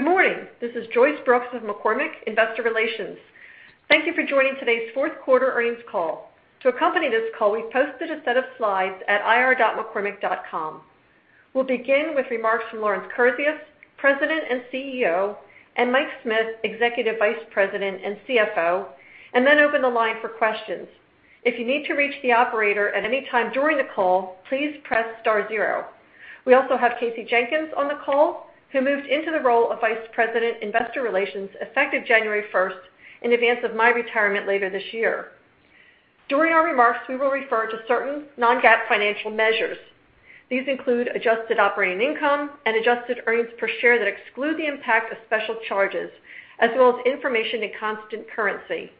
Good morning. This is Joyce Brooks of McCormick, Investor Relations. Thank you for joining today's fourth quarter earnings call. To accompany this call, we've posted a set of slides at ir.mccormick.com. We'll begin with remarks from Lawrence Kurzius, President and CEO, and Mike Smith, Executive Vice President and CFO, then open the line for questions. If you need to reach the operator at any time during the call, please press star zero. We also have Kasey Jenkins on the call, who moved into the role of Vice President, Investor Relations effective January 1st, in advance of my retirement later this year. During our remarks, we will refer to certain non-GAAP financial measures. These include adjusted operating income and adjusted earnings per share that exclude the impact of special charges, as well as information in constant currency.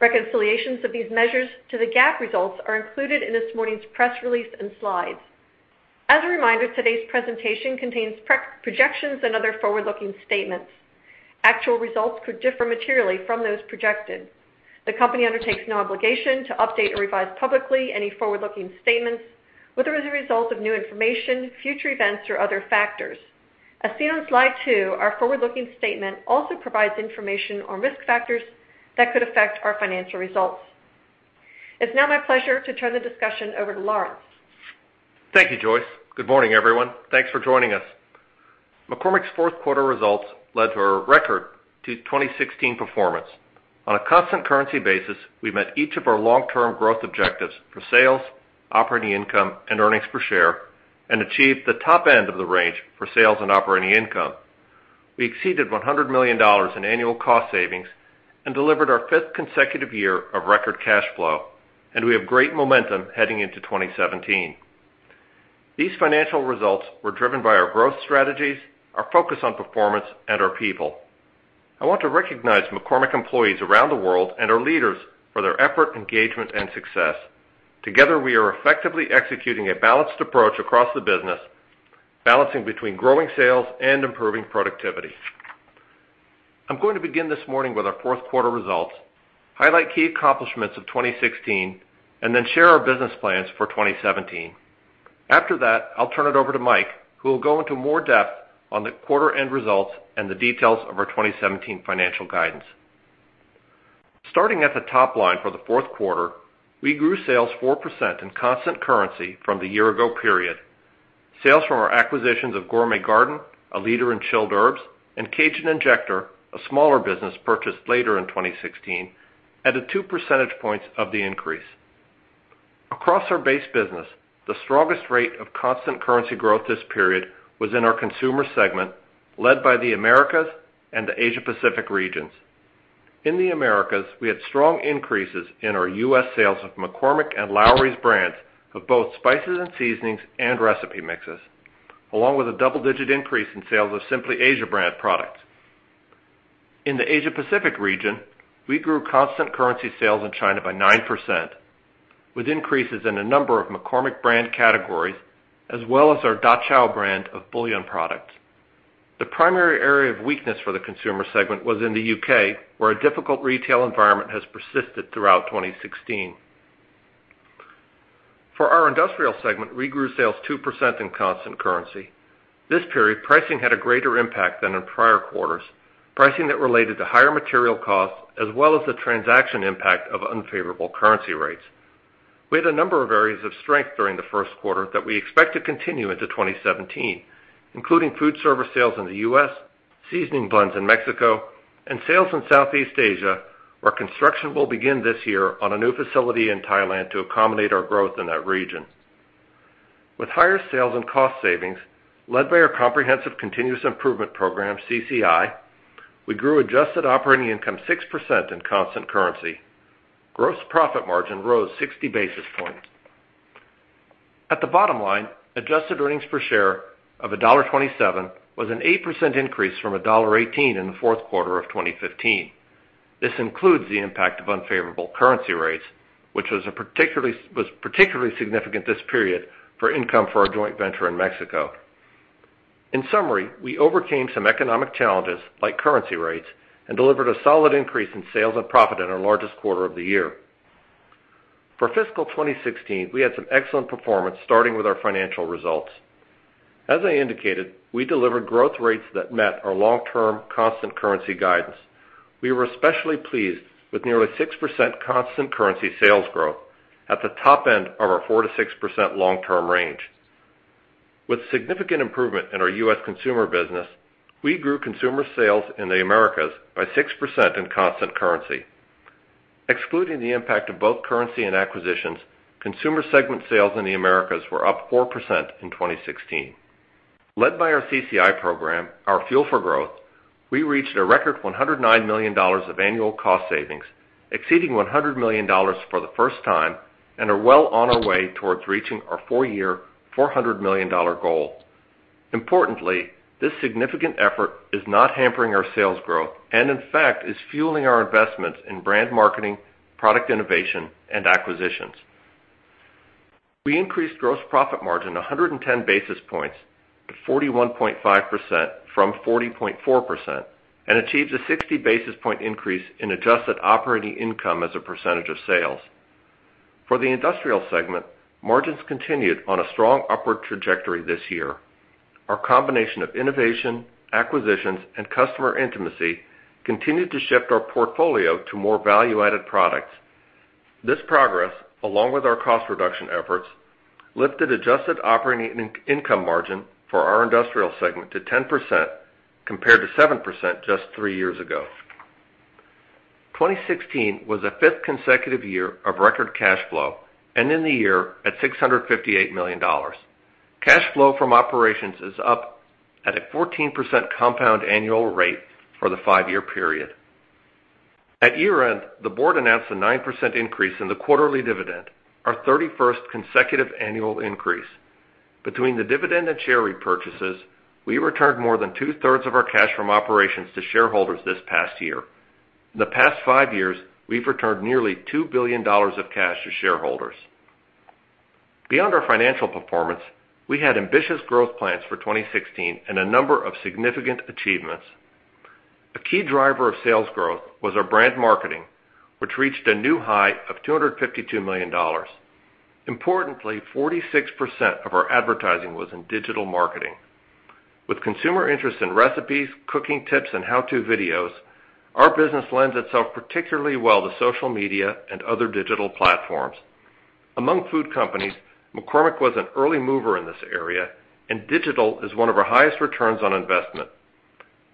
Reconciliations of these measures to the GAAP results are included in this morning's press release and slides. As a reminder, today's presentation contains projections and other forward-looking statements. Actual results could differ materially from those projected. The company undertakes no obligation to update or revise publicly any forward-looking statements, whether as a result of new information, future events, or other factors. As seen on slide two, our forward-looking statement also provides information on risk factors that could affect our financial results. It's now my pleasure to turn the discussion over to Lawrence. Thank you, Joyce. Good morning, everyone. Thanks for joining us. McCormick's fourth quarter results led to a record 2016 performance. On a constant currency basis, we met each of our long-term growth objectives for sales, operating income, and earnings per share, and achieved the top end of the range for sales and operating income. We exceeded $100 million in annual cost savings and delivered our fifth consecutive year of record cash flow, and we have great momentum heading into 2017. These financial results were driven by our growth strategies, our focus on performance, and our people. I want to recognize McCormick employees around the world and our leaders for their effort, engagement, and success. Together, we are effectively executing a balanced approach across the business, balancing between growing sales and improving productivity. I'm going to begin this morning with our fourth quarter results, highlight key accomplishments of 2016, then share our business plans for 2017. After that, I'll turn it over to Mike, who will go into more depth on the quarter end results and the details of our 2017 financial guidance. Starting at the top line for the fourth quarter, we grew sales 4% in constant currency from the year ago period. Sales from our acquisitions of Gourmet Garden, a leader in chilled herbs, and Cajun Injector, a smaller business purchased later in 2016, added two percentage points of the increase. Across our base business, the strongest rate of constant currency growth this period was in our Consumer segment, led by the Americas and the Asia Pacific regions. In the Americas, we had strong increases in our U.S. sales of McCormick and Lawry's brands of both spices and seasonings and recipe mixes, along with a double-digit increase in sales of Simply Asia brand products. In the Asia Pacific region, we grew constant currency sales in China by 9%, with increases in a number of McCormick brand categories, as well as our DaQiao brand of bouillon products. The primary area of weakness for the consumer segment was in the U.K., where a difficult retail environment has persisted throughout 2016. For our industrial segment, we grew sales 2% in constant currency. This period, pricing had a greater impact than in prior quarters, pricing that related to higher material costs, as well as the transaction impact of unfavorable currency rates. We had a number of areas of strength during the first quarter that we expect to continue into 2017, including food service sales in the U.S., seasoning blends in Mexico, and sales in Southeast Asia, where construction will begin this year on a new facility in Thailand to accommodate our growth in that region. With higher sales and cost savings led by our comprehensive continuous improvement program, CCI, we grew adjusted operating income 6% in constant currency. Gross profit margin rose 60 basis points. At the bottom line, adjusted earnings per share of $1.27 was an 8% increase from $1.18 in the fourth quarter of 2015. This includes the impact of unfavorable currency rates, which was particularly significant this period for income for our joint venture in Mexico. In summary, we overcame some economic challenges, like currency rates, and delivered a solid increase in sales and profit in our largest quarter of the year. For fiscal 2016, we had some excellent performance, starting with our financial results. As I indicated, we delivered growth rates that met our long-term constant currency guidance. We were especially pleased with nearly 6% constant currency sales growth at the top end of our 4%-6% long-term range. With significant improvement in our U.S. consumer business, we grew consumer sales in the Americas by 6% in constant currency. Excluding the impact of both currency and acquisitions, consumer segment sales in the Americas were up 4% in 2016. Led by our CCI program, our fuel for growth, we reached a record $109 million of annual cost savings, exceeding $100 million for the first time, and are well on our way towards reaching our four-year, $400 million goal. Importantly, this significant effort is not hampering our sales growth and, in fact, is fueling our investments in brand marketing, product innovation, and acquisitions. We increased gross profit margin 110 basis points to 41.5% from 40.4% and achieved a 60 basis point increase in adjusted operating income as a percentage of sales. For the industrial segment, margins continued on a strong upward trajectory this year. Our combination of innovation, acquisitions, and customer intimacy continued to shift our portfolio to more value-added products. This progress, along with our cost reduction efforts, lifted adjusted operating income margin for our industrial segment to 10%, compared to 7% just three years ago. 2016 was the fifth consecutive year of record cash flow, ending the year at $658 million. Cash flow from operations is up at a 14% compound annual rate for the five-year period. At year-end, the board announced a 9% increase in the quarterly dividend, our 31st consecutive annual increase. Between the dividend and share repurchases, we returned more than two-thirds of our cash from operations to shareholders this past year. In the past five years, we've returned nearly $2 billion of cash to shareholders. Beyond our financial performance, we had ambitious growth plans for 2016 and a number of significant achievements. A key driver of sales growth was our brand marketing, which reached a new high of $252 million. Importantly, 46% of our advertising was in digital marketing. With consumer interest in recipes, cooking tips, and how-to videos, our business lends itself particularly well to social media and other digital platforms. Digital is one of our highest returns on investment.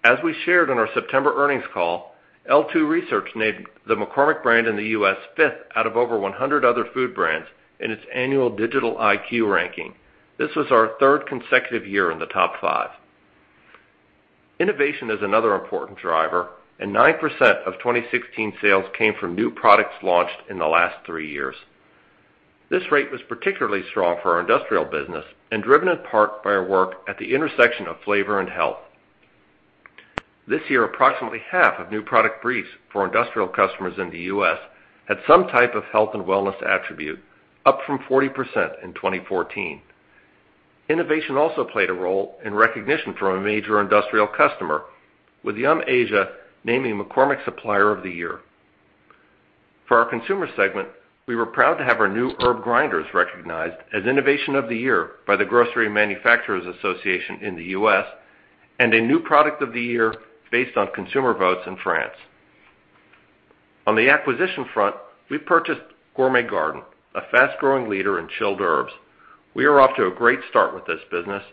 As we shared on our September earnings call, L2 Research named the McCormick brand in the U.S. fifth out of over 100 other food brands in its annual Digital IQ ranking. This was our third consecutive year in the top five. Innovation is another important driver. 9% of 2016 sales came from new products launched in the last three years. This rate was particularly strong for our industrial business and driven in part by our work at the intersection of flavor and health. This year, approximately half of new product briefs for industrial customers in the U.S. had some type of health and wellness attribute, up from 40% in 2014. Innovation also played a role in recognition from a major industrial customer, with Yum Asia naming McCormick Supplier of the Year. For our consumer segment, we were proud to have our new herb grinders recognized as Innovation of the Year by the Grocery Manufacturers Association in the U.S. A new Product of the Year based on consumer votes in France. On the acquisition front, we purchased Gourmet Garden, a fast-growing leader in chilled herbs. We are off to a great start with this business.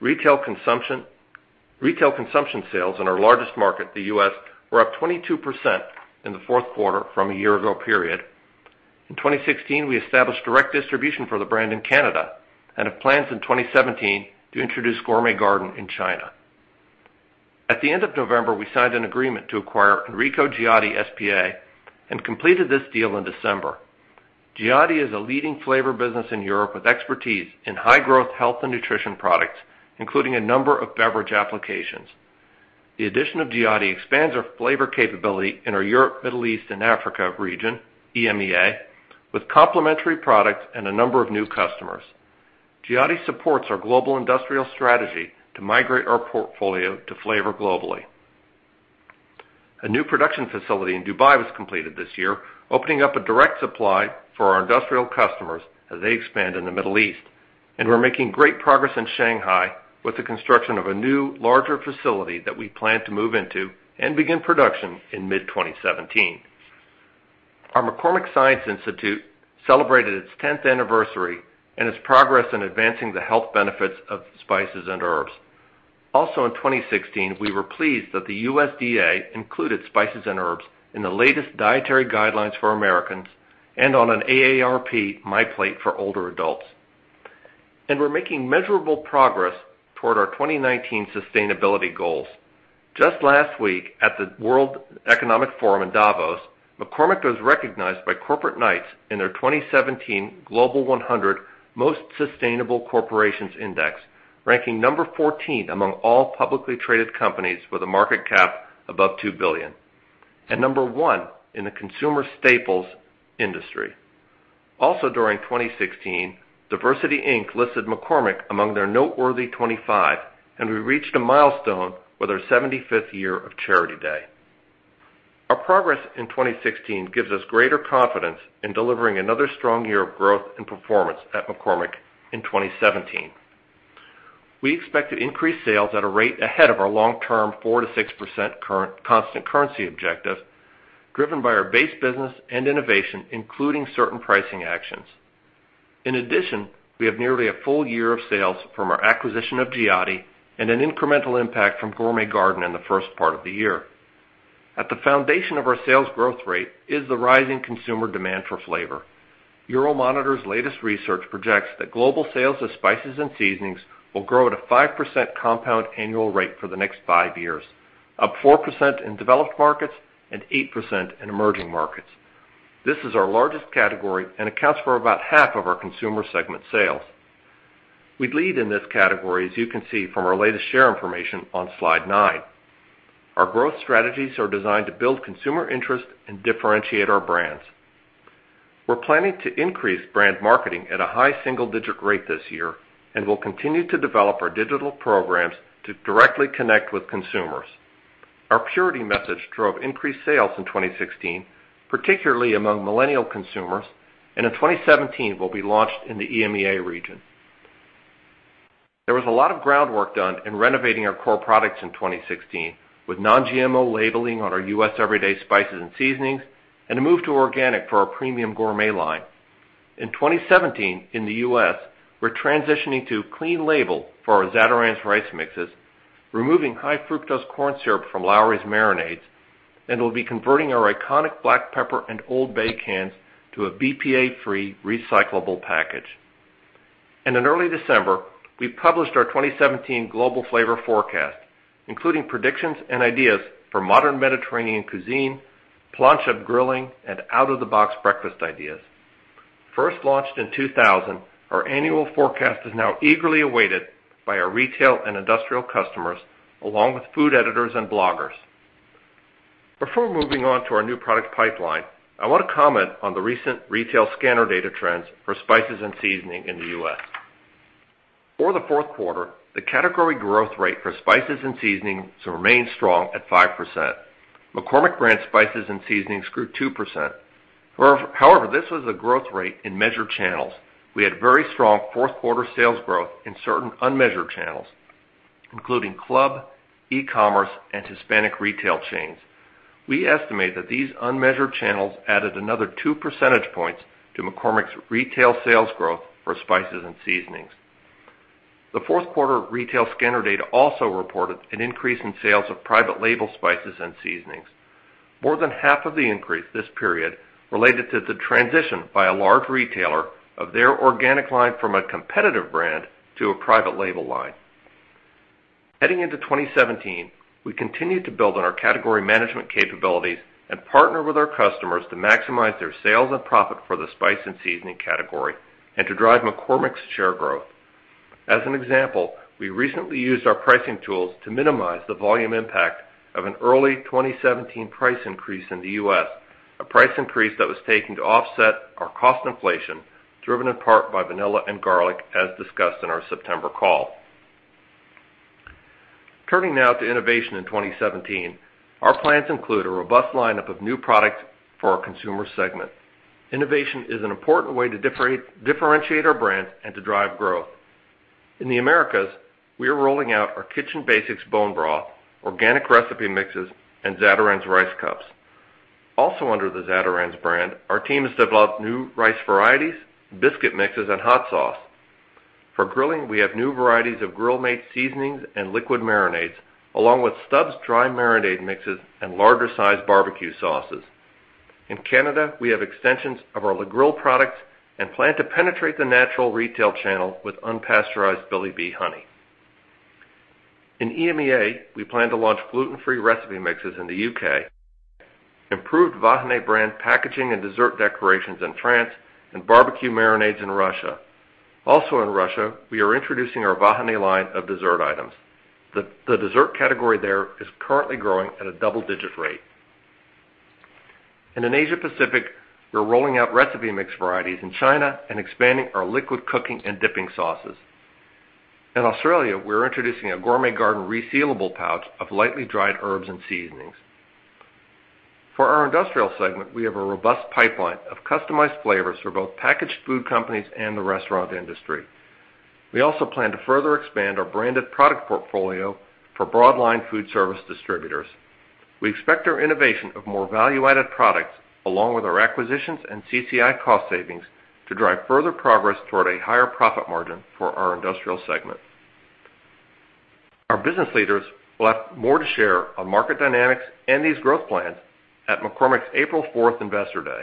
Retail consumption sales in our largest market, the U.S., were up 22% in the fourth quarter from a year-ago period. In 2016, we established direct distribution for the brand in Canada. We have plans in 2017 to introduce Gourmet Garden in China. At the end of November, we signed an agreement to acquire Enrico Giotti SpA and completed this deal in December. Giotti is a leading flavor business in Europe with expertise in high-growth health and nutrition products, including a number of beverage applications. The addition of Giotti expands our flavor capability in our Europe, Middle East, and Africa region, EMEA, with complementary products and a number of new customers. Giotti supports our global industrial strategy to migrate our portfolio to flavor globally. A new production facility in Dubai was completed this year, opening up a direct supply for our industrial customers as they expand in the Middle East. We're making great progress in Shanghai with the construction of a new, larger facility that we plan to move into and begin production in mid-2017. Our McCormick Science Institute celebrated its 10th anniversary and its progress in advancing the health benefits of spices and herbs. In 2016, we were pleased that the USDA included spices and herbs in the latest dietary guidelines for Americans and on an AARP MyPlate for older adults. We're making measurable progress toward our 2019 sustainability goals. Just last week at the World Economic Forum in Davos, McCormick was recognized by Corporate Knights in their 2017 Global 100 Most Sustainable Corporations Index, ranking number 14 among all publicly traded companies with a market cap above $2 billion, and number one in the consumer staples industry. During 2016, DiversityInc. listed McCormick among their Noteworthy 25, we reached a milestone with our 75th year of Charity Day. Our progress in 2016 gives us greater confidence in delivering another strong year of growth and performance at McCormick in 2017. We expect to increase sales at a rate ahead of our long-term 4%-6% constant currency objective, driven by our base business and innovation, including certain pricing actions. In addition, we have nearly a full year of sales from our acquisition of Giotti and an incremental impact from Gourmet Garden in the first part of the year. At the foundation of our sales growth rate is the rising consumer demand for flavor. Euromonitor's latest research projects that global sales of spices and seasonings will grow at a 5% compound annual rate for the next five years, up 4% in developed markets and 8% in emerging markets. This is our largest category and accounts for about half of our consumer segment sales. We lead in this category, as you can see from our latest share information on slide nine. Our growth strategies are designed to build consumer interest and differentiate our brands. We're planning to increase brand marketing at a high single-digit rate this year, we'll continue to develop our digital programs to directly connect with consumers. Our purity message drove increased sales in 2016, particularly among millennial consumers, in 2017 will be launched in the EMEA region. There was a lot of groundwork done in renovating our core products in 2016, with non-GMO labeling on our U.S. everyday spices and seasonings, and a move to organic for our premium gourmet line. In 2017, in the U.S., we're transitioning to clean label for our Zatarain's rice mixes, removing high fructose corn syrup from Lawry's marinades, we'll be converting our iconic black pepper and OLD BAY cans to a BPA-free recyclable package. In early December, we published our 2017 global flavor forecast, including predictions and ideas for modern Mediterranean cuisine, blanch or grilling, and out of the box breakfast ideas. First launched in 2000, our annual forecast is now eagerly awaited by our retail and industrial customers, along with food editors and bloggers. Before moving on to our new product pipeline, I want to comment on the recent retail scanner data trends for spices and seasoning in the U.S. For the fourth quarter, the category growth rate for spices and seasonings remained strong at 5%. McCormick brand spices and seasonings grew 2%. However, this was a growth rate in measured channels. We had very strong fourth quarter sales growth in certain unmeasured channels, including club, e-commerce, and Hispanic retail chains. We estimate that these unmeasured channels added another two percentage points to McCormick's retail sales growth for spices and seasonings. The fourth quarter retail scanner data also reported an increase in sales of private label spices and seasonings. More than half of the increase this period related to the transition by a large retailer of their organic line from a competitive brand to a private label line. Heading into 2017, we continue to build on our category management capabilities and partner with our customers to maximize their sales and profit for the spice and seasoning category, to drive McCormick's share growth. As an example, we recently used our pricing tools to minimize the volume impact of an early 2017 price increase in the U.S., a price increase that was taken to offset our cost inflation, driven in part by vanilla and garlic, as discussed in our September call. Turning now to innovation in 2017. Our plans include a robust lineup of new products for our consumer segment. Innovation is an important way to differentiate our brand and to drive growth. In the Americas, we are rolling out our Kitchen Basics bone broth, organic recipe mixes, and Zatarain's rice cups. Also under the Zatarain's brand, our team has developed new rice varieties, biscuit mixes, and hot sauce. For grilling, we have new varieties of Grill Mates seasonings and liquid marinades, along with Stubb's dry marinade mixes and larger size barbecue sauces. In Canada, we have extensions of our La Grille products and plan to penetrate the natural retail channel with unpasteurized Billy Bee honey. In EMEA, we plan to launch gluten-free recipe mixes in the U.K., improved Vahiné brand packaging and dessert decorations in France, and barbecue marinades in Russia. Also in Russia, we are introducing our Vahiné line of dessert items. The dessert category there is currently growing at a double-digit rate. In Asia Pacific, we are rolling out recipe mix varieties in China and expanding our liquid cooking and dipping sauces. In Australia, we are introducing a Gourmet Garden resealable pouch of lightly dried herbs and seasonings. For our industrial segment, we have a robust pipeline of customized flavors for both packaged food companies and the restaurant industry. We also plan to further expand our branded product portfolio for broad line food service distributors. We expect our innovation of more value-added products, along with our acquisitions and CCI cost savings, to drive further progress toward a higher profit margin for our industrial segment. Our business leaders will have more to share on market dynamics and these growth plans at McCormick's April 4th Investor Day.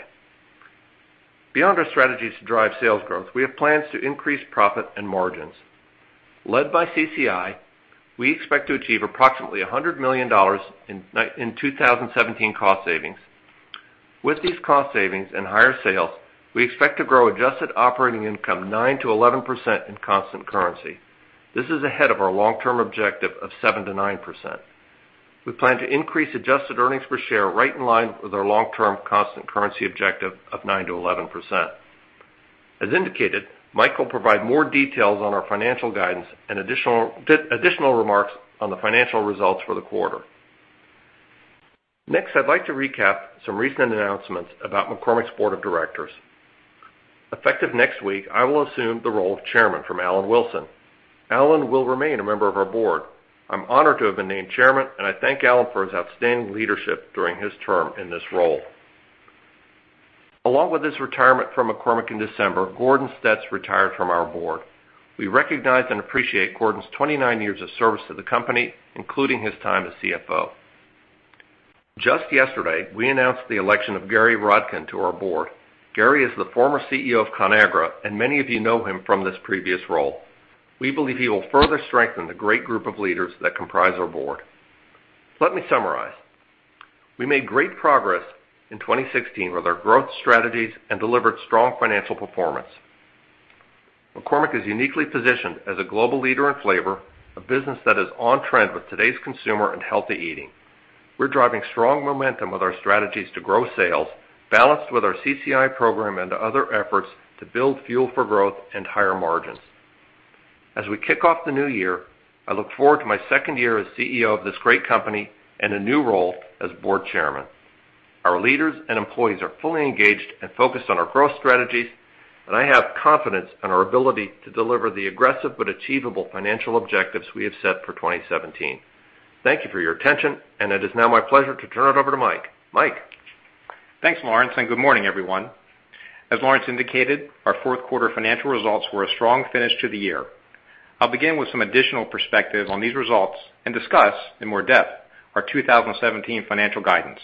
Beyond our strategies to drive sales growth, we have plans to increase profit and margins. Led by CCI, we expect to achieve approximately $100 million in 2017 cost savings. With these cost savings and higher sales, we expect to grow adjusted operating income 9%-11% in constant currency. This is ahead of our long-term objective of 7%-9%. We plan to increase adjusted earnings per share right in line with our long-term constant currency objective of 9%-11%. As indicated, Mike will provide more details on our financial guidance and additional remarks on the financial results for the quarter. Next, I'd like to recap some recent announcements about McCormick's board of directors. Effective next week, I will assume the role of chairman from Alan Wilson. Alan will remain a member of our board. I'm honored to have been named chairman, and I thank Alan for his outstanding leadership during his term in this role. Along with his retirement from McCormick in December, Gordon Stetz retired from our board. We recognize and appreciate Gordon's 29 years of service to the company, including his time as CFO. Just yesterday, we announced the election of Gary Rodkin to our board. Gary is the former CEO of ConAgra, and many of you know him from this previous role. We believe he will further strengthen the great group of leaders that comprise our board. Let me summarize. We made great progress in 2016 with our growth strategies and delivered strong financial performance. McCormick is uniquely positioned as a global leader in flavor, a business that is on trend with today's consumer and healthy eating. We're driving strong momentum with our strategies to grow sales, balanced with our CCI program and other efforts to build fuel for growth and higher margins. As we kick off the new year, I look forward to my second year as CEO of this great company and a new role as board chairman. Our leaders and employees are fully engaged and focused on our growth strategies, and I have confidence in our ability to deliver the aggressive but achievable financial objectives we have set for 2017. Thank you for your attention, and it is now my pleasure to turn it over to Mike. Mike? Thanks, Lawrence, and good morning, everyone. As Lawrence indicated, our fourth quarter financial results were a strong finish to the year. I'll begin with some additional perspective on these results and discuss in more depth our 2017 financial guidance.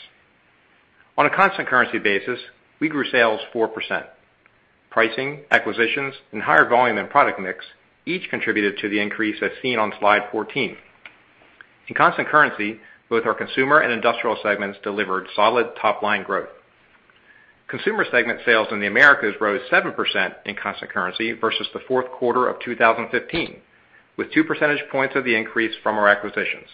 On a constant currency basis, we grew sales 4%. Pricing, acquisitions, and higher volume and product mix each contributed to the increase as seen on slide 14. In constant currency, both our consumer and industrial segments delivered solid top-line growth. Consumer segment sales in the Americas rose 7% in constant currency versus the fourth quarter of 2015, with two percentage points of the increase from our acquisitions.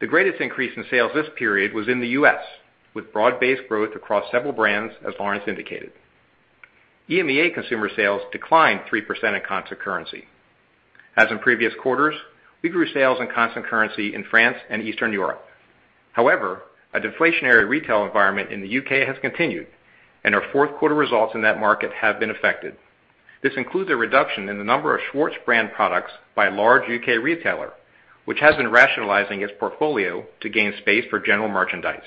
The greatest increase in sales this period was in the U.S., with broad-based growth across several brands, as Lawrence indicated. EMEA consumer sales declined 3% in constant currency. As in previous quarters, we grew sales in constant currency in France and Eastern Europe. However, a deflationary retail environment in the U.K. has continued, and our fourth quarter results in that market have been affected. This includes a reduction in the number of Schwartz brand products by a large U.K. retailer, which has been rationalizing its portfolio to gain space for general merchandise.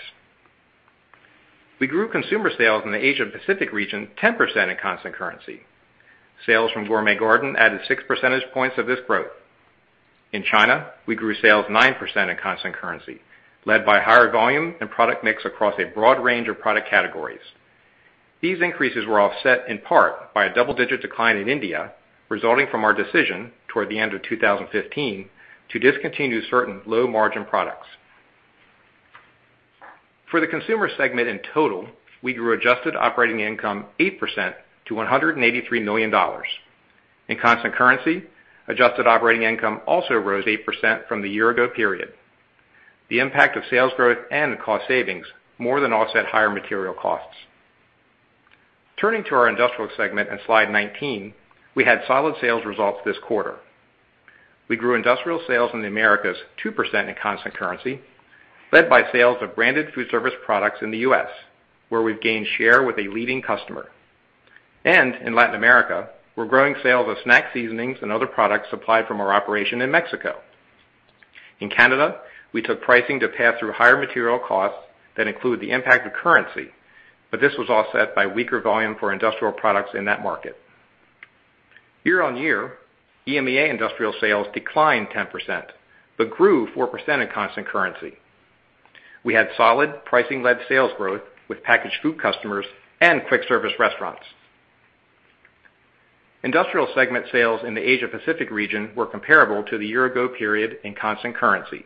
We grew consumer sales in the Asia Pacific region 10% in constant currency. Sales from Gourmet Garden added six percentage points of this growth. In China, we grew sales 9% in constant currency, led by higher volume and product mix across a broad range of product categories. These increases were offset in part by a double-digit decline in India, resulting from our decision toward the end of 2015 to discontinue certain low-margin products. For the consumer segment in total, we grew adjusted operating income 8% to $183 million. In constant currency, adjusted operating income also rose 8% from the year ago period. The impact of sales growth and cost savings more than offset higher material costs. Turning to our industrial segment on slide 19, we had solid sales results this quarter. We grew industrial sales in the Americas 2% in constant currency, led by sales of branded food service products in the U.S., where we've gained share with a leading customer. In Latin America, we're growing sales of snack seasonings and other products supplied from our operation in Mexico. In Canada, we took pricing to pass through higher material costs that include the impact of currency, this was offset by weaker volume for industrial products in that market. Year-on-year, EMEA industrial sales declined 10% but grew 4% in constant currency. We had solid pricing-led sales growth with packaged food customers and quick-service restaurants. Industrial segment sales in the Asia Pacific region were comparable to the year ago period in constant currency.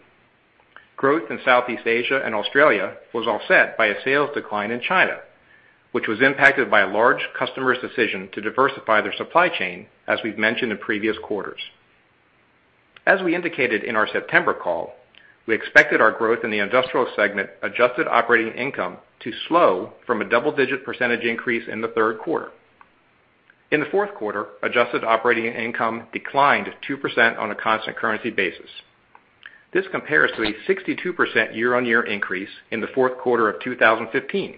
Growth in Southeast Asia and Australia was offset by a sales decline in China, which was impacted by a large customer's decision to diversify their supply chain, as we've mentioned in previous quarters. As we indicated in our September call, we expected our growth in the industrial segment adjusted operating income to slow from a double-digit percentage increase in the third quarter. In the fourth quarter, adjusted operating income declined 2% on a constant currency basis. This compares to a 62% year-on-year increase in the fourth quarter of 2015.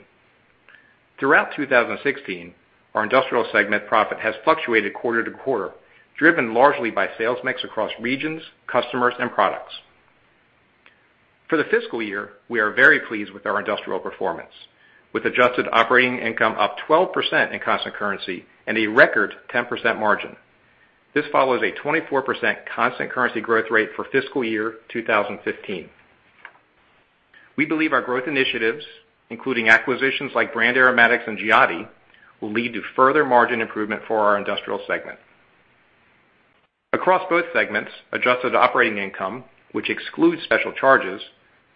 Throughout 2016, our industrial segment profit has fluctuated quarter-to-quarter, driven largely by sales mix across regions, customers, and products. For the fiscal year, we are very pleased with our industrial performance. With adjusted operating income up 12% in constant currency and a record 10% margin. This follows a 24% constant currency growth rate for fiscal year 2015. We believe our growth initiatives, including acquisitions like Brand Aromatics and Giotti, will lead to further margin improvement for our industrial segment. Across both segments, adjusted operating income, which excludes special charges,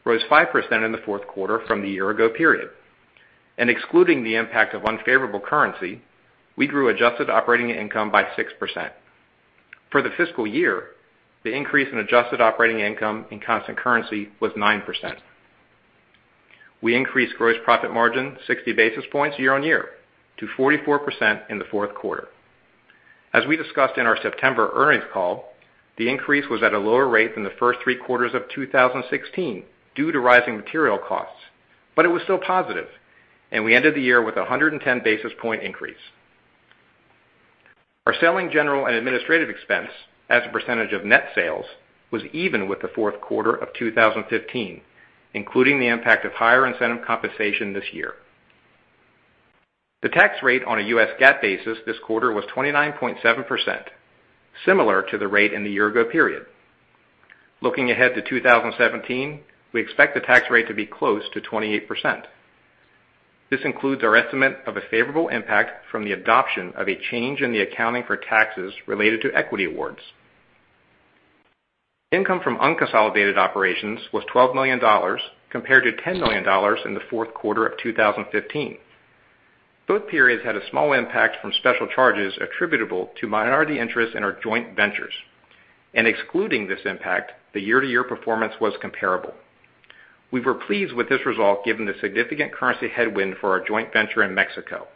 rose 5% in the fourth quarter from the year ago period. Excluding the impact of unfavorable currency, we grew adjusted operating income by 6%. For the fiscal year, the increase in adjusted operating income in constant currency was 9%. We increased gross profit margin 60 basis points year-on-year to 44% in the fourth quarter. As we discussed in our September earnings call, the increase was at a lower rate than the first three quarters of 2016 due to rising material costs, but it was still positive, and we ended the year with 110 basis point increase. Our selling general and administrative expense as a percentage of net sales was even with the fourth quarter of 2015, including the impact of higher incentive compensation this year. The tax rate on a U.S. GAAP basis this quarter was 29.7%, similar to the rate in the year ago period. Looking ahead to 2017, we expect the tax rate to be close to 28%. This includes our estimate of a favorable impact from the adoption of a change in the accounting for taxes related to equity awards. Income from unconsolidated operations was $12 million, compared to $10 million in the fourth quarter of 2015. Both periods had a small impact from special charges attributable to minority interest in our joint ventures. Excluding this impact, the year-to-year performance was comparable. We were pleased with this result, given the significant currency headwind for our joint venture in Mexico.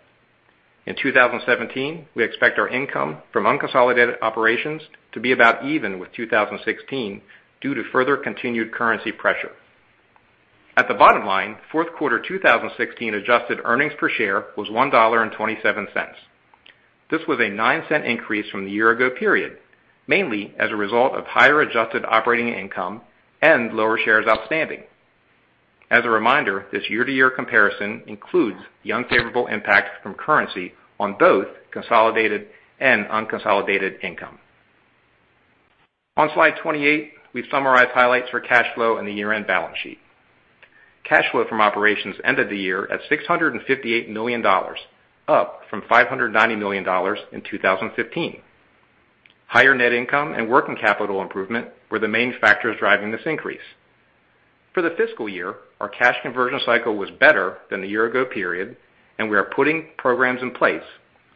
In 2017, we expect our income from unconsolidated operations to be about even with 2016 due to further continued currency pressure. At the bottom line, fourth quarter 2016 adjusted earnings per share was $1.27. This was a $0.09 increase from the year ago period, mainly as a result of higher adjusted operating income and lower shares outstanding. As a reminder, this year-to-year comparison includes the unfavorable impact from currency on both consolidated and unconsolidated income. On slide 28, we've summarized highlights for cash flow and the year-end balance sheet. Cash flow from operations ended the year at $658 million, up from $590 million in 2015. Higher net income and working capital improvement were the main factors driving this increase. For the fiscal year, our cash conversion cycle was better than the year ago period, and we are putting programs in place,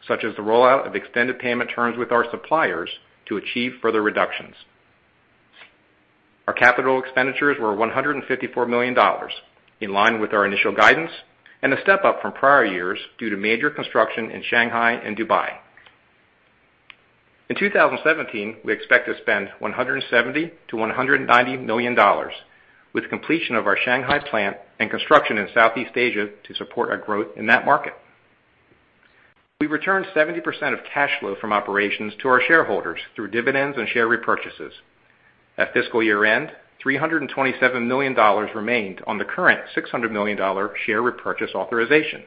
such as the rollout of extended payment terms with our suppliers to achieve further reductions. Our capital expenditures were $154 million, in line with our initial guidance and a step up from prior years due to major construction in Shanghai and Dubai. In 2017, we expect to spend $170 million-$190 million, with completion of our Shanghai plant and construction in Southeast Asia to support our growth in that market. We returned 70% of cash flow from operations to our shareholders through dividends and share repurchases. At fiscal year-end, $327 million remained on the current $600 million share repurchase authorization.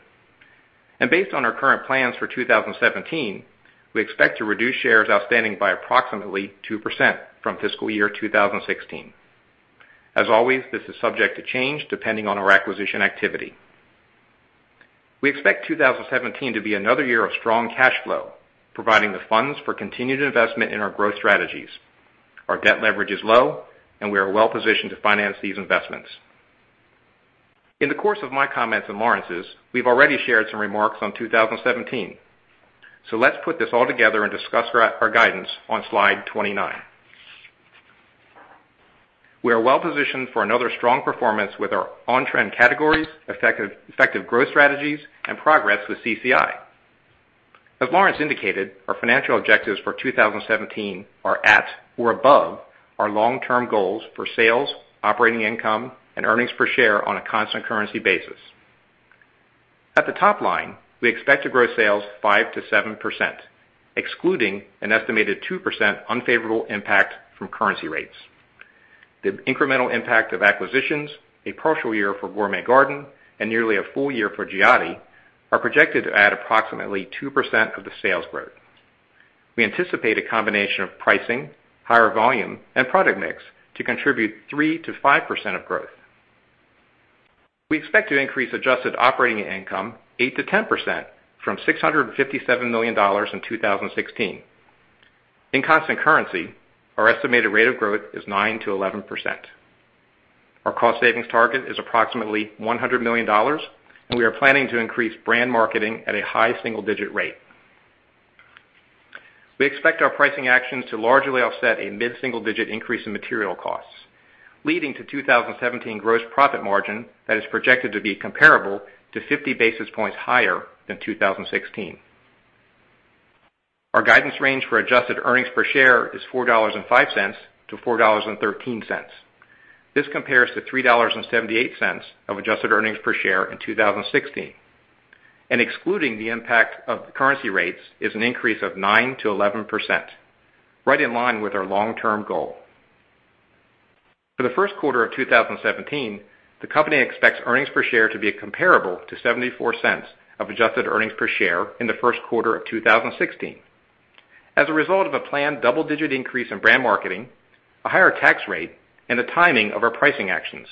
Based on our current plans for 2017, we expect to reduce shares outstanding by approximately 2% from fiscal year 2016. As always, this is subject to change depending on our acquisition activity. We expect 2017 to be another year of strong cash flow, providing the funds for continued investment in our growth strategies. Our debt leverage is low, and we are well positioned to finance these investments. In the course of my comments and Lawrence's, we've already shared some remarks on 2017. Let's put this all together and discuss our guidance on slide 29. We are well positioned for another strong performance with our on-trend categories, effective growth strategies, and progress with CCI. As Lawrence indicated, our financial objectives for 2017 are at or above our long-term goals for sales, operating income, and earnings per share on a constant currency basis. At the top line, we expect to grow sales 5%-7%, excluding an estimated 2% unfavorable impact from currency rates. The incremental impact of acquisitions, a partial year for Gourmet Garden, and nearly a full year for Giotti are projected to add approximately 2% of the sales growth. We anticipate a combination of pricing, higher volume, and product mix to contribute 3%-5% of growth. We expect to increase adjusted operating income 8%-10% from $657 million in 2016. In constant currency, our estimated rate of growth is 9%-11%. Our cost savings target is approximately $100 million. We are planning to increase brand marketing at a high single-digit rate. We expect our pricing actions to largely offset a mid-single digit increase in material costs, leading to 2017 gross profit margin that is projected to be comparable to 50 basis points higher than 2016. Our guidance range for adjusted earnings per share is $4.05-$4.13. This compares to $3.78 of adjusted earnings per share in 2016. Excluding the impact of currency rates is an increase of 9%-11%, right in line with our long-term goal. For the first quarter of 2017, the company expects earnings per share to be comparable to $0.74 of adjusted earnings per share in the first quarter of 2016 as a result of a planned double-digit increase in brand marketing, a higher tax rate, and the timing of our pricing actions.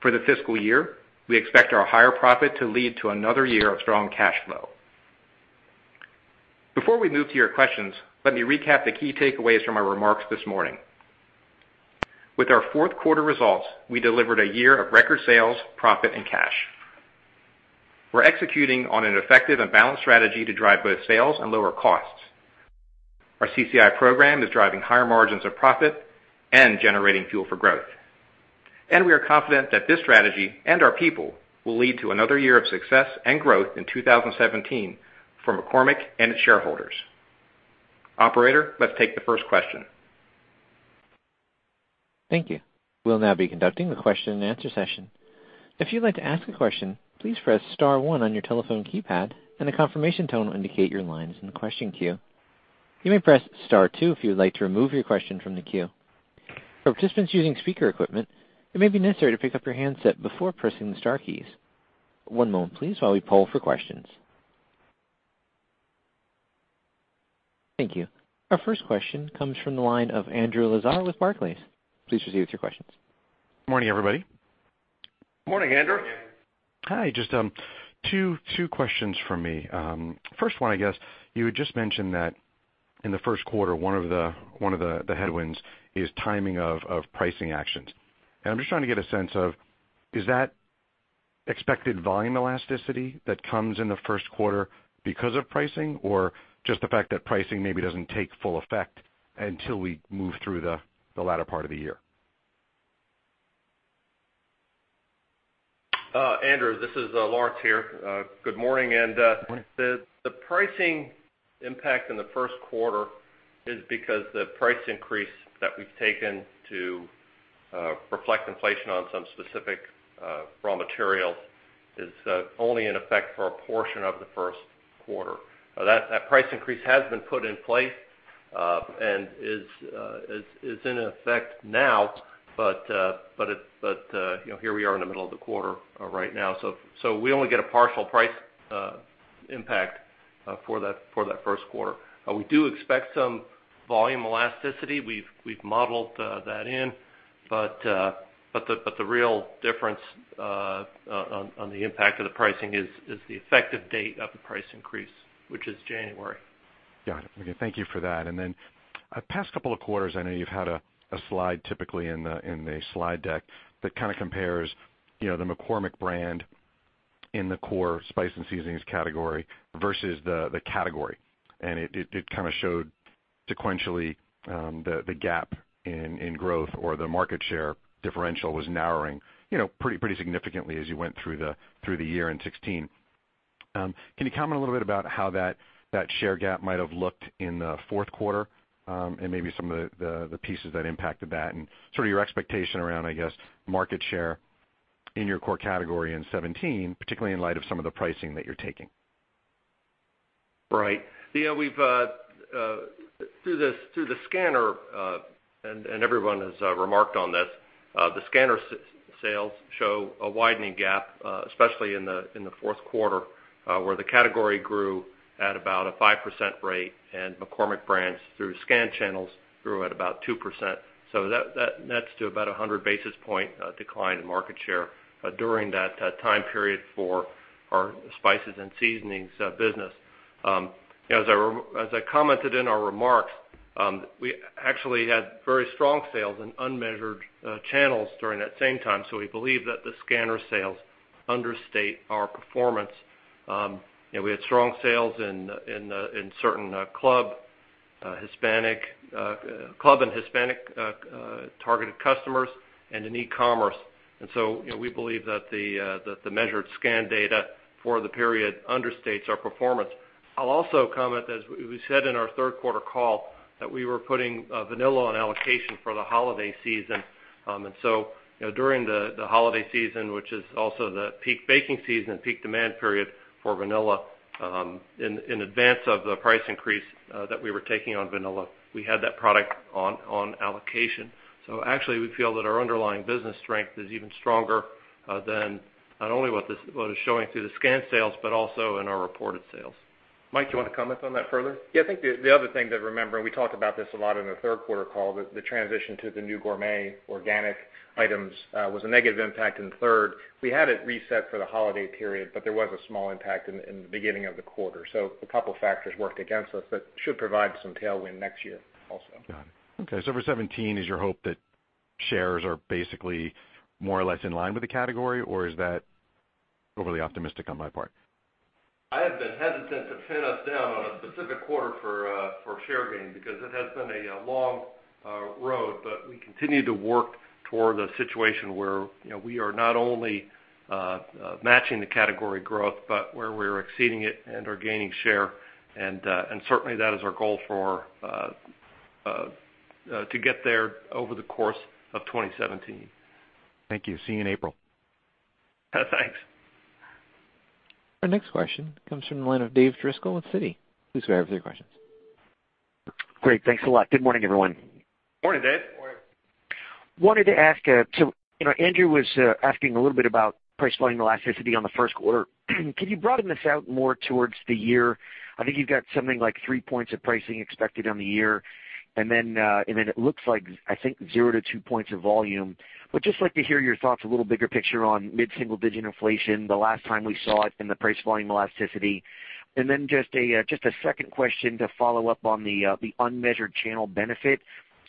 For the fiscal year, we expect our higher profit to lead to another year of strong cash flow. Before we move to your questions, let me recap the key takeaways from our remarks this morning. With our fourth quarter results, we delivered a year of record sales, profit and cash. We're executing on an effective and balanced strategy to drive both sales and lower costs. Our CCI program is driving higher margins of profit and generating fuel for growth. We are confident that this strategy and our people will lead to another year of success and growth in 2017 for McCormick and its shareholders. Operator, let's take the first question. Thank you. We will now be conducting the question and answer session. If you would like to ask a question, please press star one on your telephone keypad and a confirmation tone will indicate your line is in the question queue. You may press star two if you would like to remove your question from the queue. For participants using speaker equipment, it may be necessary to pick up your handset before pressing the star keys. One moment please, while we poll for questions. Thank you. Our first question comes from the line of Andrew Lazar with Barclays. Please proceed with your questions. Morning, everybody. Morning, Andrew. Hi, just two questions from me. First one, I guess you had just mentioned that in the first quarter, one of the headwinds is timing of pricing actions. I'm just trying to get a sense of, is that expected volume elasticity that comes in the first quarter because of pricing, or just the fact that pricing maybe doesn't take full effect until we move through the latter part of the year? Andrew, this is Lawrence here. Good morning. Good morning. The pricing impact in the first quarter is because the price increase that we've taken to reflect inflation on some specific raw material is only in effect for a portion of the first quarter. That price increase has been put in place, and is in effect now. Here we are in the middle of the quarter right now, so we only get a partial price impact for that first quarter. We do expect some volume elasticity. We've modeled that in, but the real difference on the impact of the pricing is the effective date of the price increase, which is January. Got it. Okay, thank you for that. Then, past couple of quarters, I know you've had a slide typically in the slide deck that kind of compares the McCormick brand in the core spice and seasonings category versus the category. It kind of showed sequentially the gap in growth or the market share differential was narrowing pretty significantly as you went through the year in 2016. Can you comment a little bit about how that share gap might have looked in the fourth quarter and maybe some of the pieces that impacted that and sort of your expectation around, I guess, market share in your core category in 2017, particularly in light of some of the pricing that you're taking? Right. Everyone has remarked on this, the scanner sales show a widening gap, especially in the fourth quarter, where the category grew at about a 5% rate and McCormick Brands, through scan channels, grew at about 2%. That's to about 100 basis points decline in market share during that time period for our spices and seasonings business. As I commented in our remarks, we actually had very strong sales in unmeasured channels during that same time, so we believe that the scanner sales understate our performance. We had strong sales in certain club and Hispanic targeted customers and in e-commerce. We believe that the measured scan data for the period understates our performance. I'll also comment, as we said in our third quarter call, that we were putting vanilla on allocation for the holiday season. During the holiday season, which is also the peak baking season and peak demand period for vanilla, in advance of the price increase that we were taking on vanilla, we had that product on allocation. Actually, we feel that our underlying business strength is even stronger than not only what is showing through the scan sales, but also in our reported sales. Mike, do you want to comment on that further? I think the other thing to remember, we talked about this a lot in the third quarter call, the transition to the new gourmet organic items was a negative impact in the third. We had it reset for the holiday period, but there was a small impact in the beginning of the quarter. A couple of factors worked against us, but should provide some tailwind next year also. Got it. For 2017, is your hope that shares are basically more or less in line with the category, or is that overly optimistic on my part? I have been hesitant to pin us down on a specific quarter for share gain because it has been a long road, but we continue to work toward a situation where we are not only matching the category growth, but where we're exceeding it and are gaining share, and certainly that is our goal to get there over the course of 2017. Thank you. See you in April. Thanks. Our next question comes from the line of Dave Driscoll with Citi. Please go ahead with your questions. Great. Thanks a lot. Good morning, everyone. Morning, Dave Driscoll. Morning. Wanted to ask, so Andrew Lazar was asking a little bit about price volume elasticity on the first quarter. Could you broaden this out more towards the year? I think you've got something like three points of pricing expected on the year, and then it looks like, I think zero to two points of volume. Would just like to hear your thoughts, a little bigger picture on mid-single digit inflation, the last time we saw it in the price volume elasticity. And then just a second question to follow up on the unmeasured channel benefit.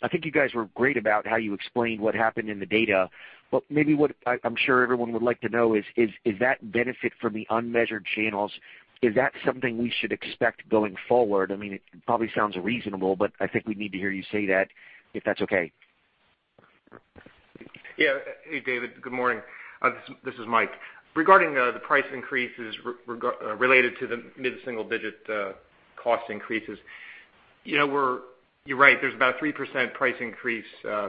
I think you guys were great about how you explained what happened in the data, but maybe what I'm sure everyone would like to know is that benefit from the unmeasured channels, is that something we should expect going forward? It probably sounds reasonable, but I think we need to hear you say that, if that's okay. Yeah. Hey, Dave Driscoll, good morning. This is Mike Smith. Regarding the price increases related to the mid-single digit cost increases, you're right, there's about 3% price increase,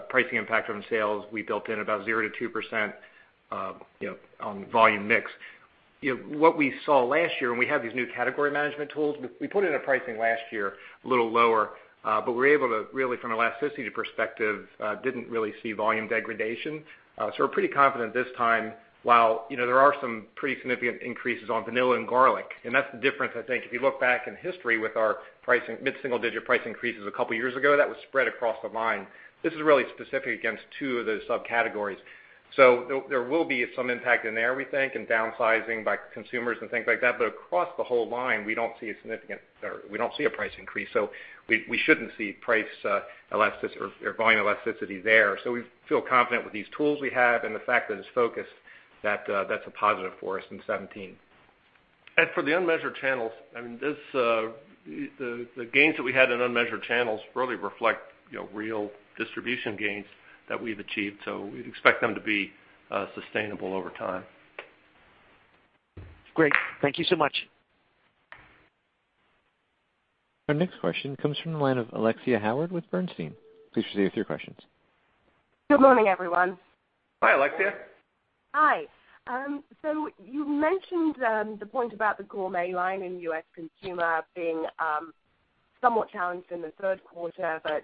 pricing impact on sales. We built in about zero to 2% on volume mix. What we saw last year, when we had these new category management tools, we put in a pricing last year a little lower, but we were able to, really from elasticity perspective, didn't really see volume degradation. We're pretty confident this time, while there are some pretty significant increases on vanilla and garlic, and that's the difference, I think, if you look back in history with our mid-single digit price increases a couple of years ago, that was spread across the line. This is really specific against 2 of those subcategories. There will be some impact in there, we think, in downsizing by consumers and things like that. Across the whole line, we don't see a price increase, so we shouldn't see price elasticity or volume elasticity there. We feel confident with these tools we have and the fact that it's focused, that's a positive for us in 2017. For the unmeasured channels, the gains that we had in unmeasured channels really reflect real distribution gains that we've achieved, so we'd expect them to be sustainable over time. Great. Thank you so much. Our next question comes from the line of Alexia Howard with Bernstein. Please proceed with your questions. Good morning, everyone. Hi, Alexia. Hi. You mentioned the point about the gourmet line in U.S. consumer being somewhat challenged in the third quarter, but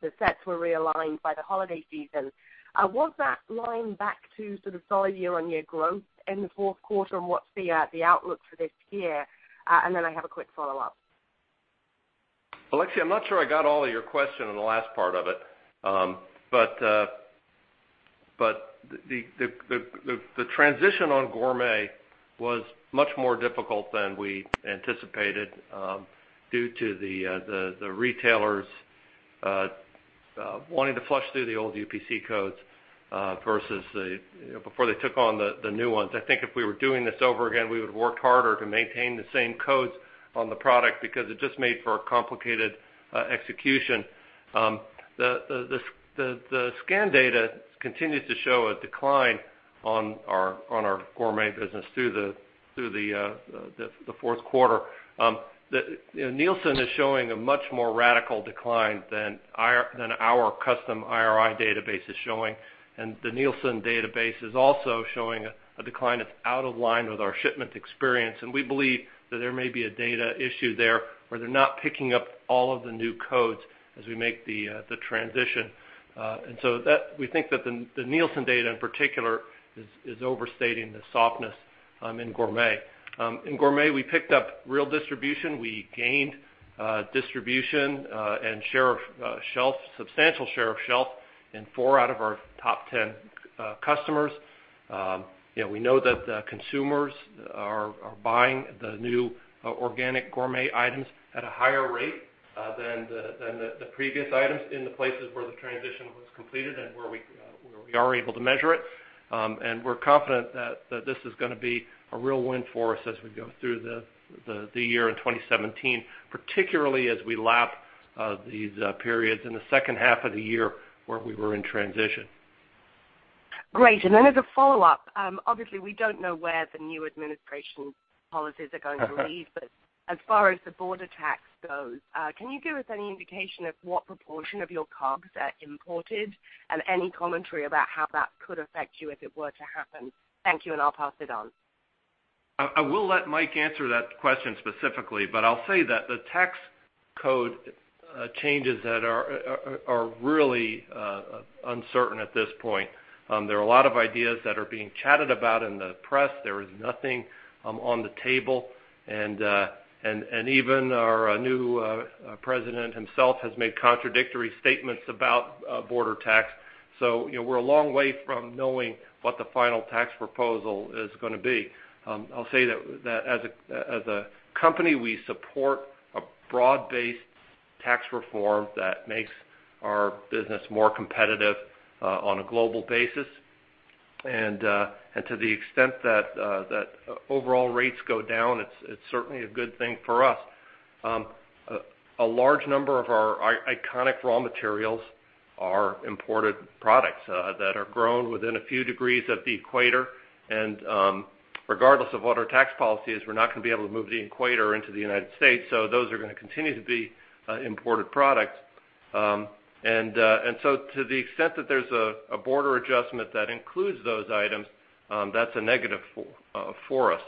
the sets were realigned by the holiday season. Was that line back to sort of solid year-on-year growth in the fourth quarter, and what's the outlook for this year? I have a quick follow-up. Alexia, I'm not sure I got all of your question on the last part of it. The transition on gourmet was much more difficult than we anticipated due to the retailers wanting to flush through the old UPC codes before they took on the new ones. I think if we were doing this over again, we would've worked harder to maintain the same codes on the product because it just made for a complicated execution. The scan data continues to show a decline on our gourmet business through the fourth quarter. Nielsen is showing a much more radical decline than our custom IRI database is showing, and the Nielsen database is also showing a decline that's out of line with our shipment experience, and we believe that there may be a data issue there where they're not picking up all of the new codes as we make the transition. We think that the Nielsen data in particular is overstating the softness in gourmet. In gourmet, we picked up real distribution. We gained distribution and substantial share of shelf in four out of our top 10 customers. We know that the consumers are buying the new organic gourmet items at a higher rate than the previous items in the places where the transition was completed and where we are able to measure it. We're confident that this is going to be a real win for us as we go through the year in 2017, particularly as we lap these periods in the second half of the year where we were in transition. Great. As a follow-up, obviously, we don't know where the new administration policies are going to lead. As far as the border tax goes, can you give us any indication of what proportion of your COGS are imported and any commentary about how that could affect you if it were to happen? Thank you, and I'll pass it on. I will let Mike answer that question specifically, but I'll say that the tax code changes are really uncertain at this point. There are a lot of ideas that are being chatted about in the press. There is nothing on the table, and even our new president himself has made contradictory statements about border tax. We're a long way from knowing what the final tax proposal is going to be. I'll say that as a company, we support a broad-based tax reform that makes our business more competitive on a global basis. To the extent that overall rates go down, it's certainly a good thing for us. A large number of our iconic raw materials are imported products that are grown within a few degrees of the equator. Regardless of what our tax policy is, we're not going to be able to move the equator into the United States, so those are going to continue to be imported products. To the extent that there's a border adjustment that includes those items, that's a negative for us.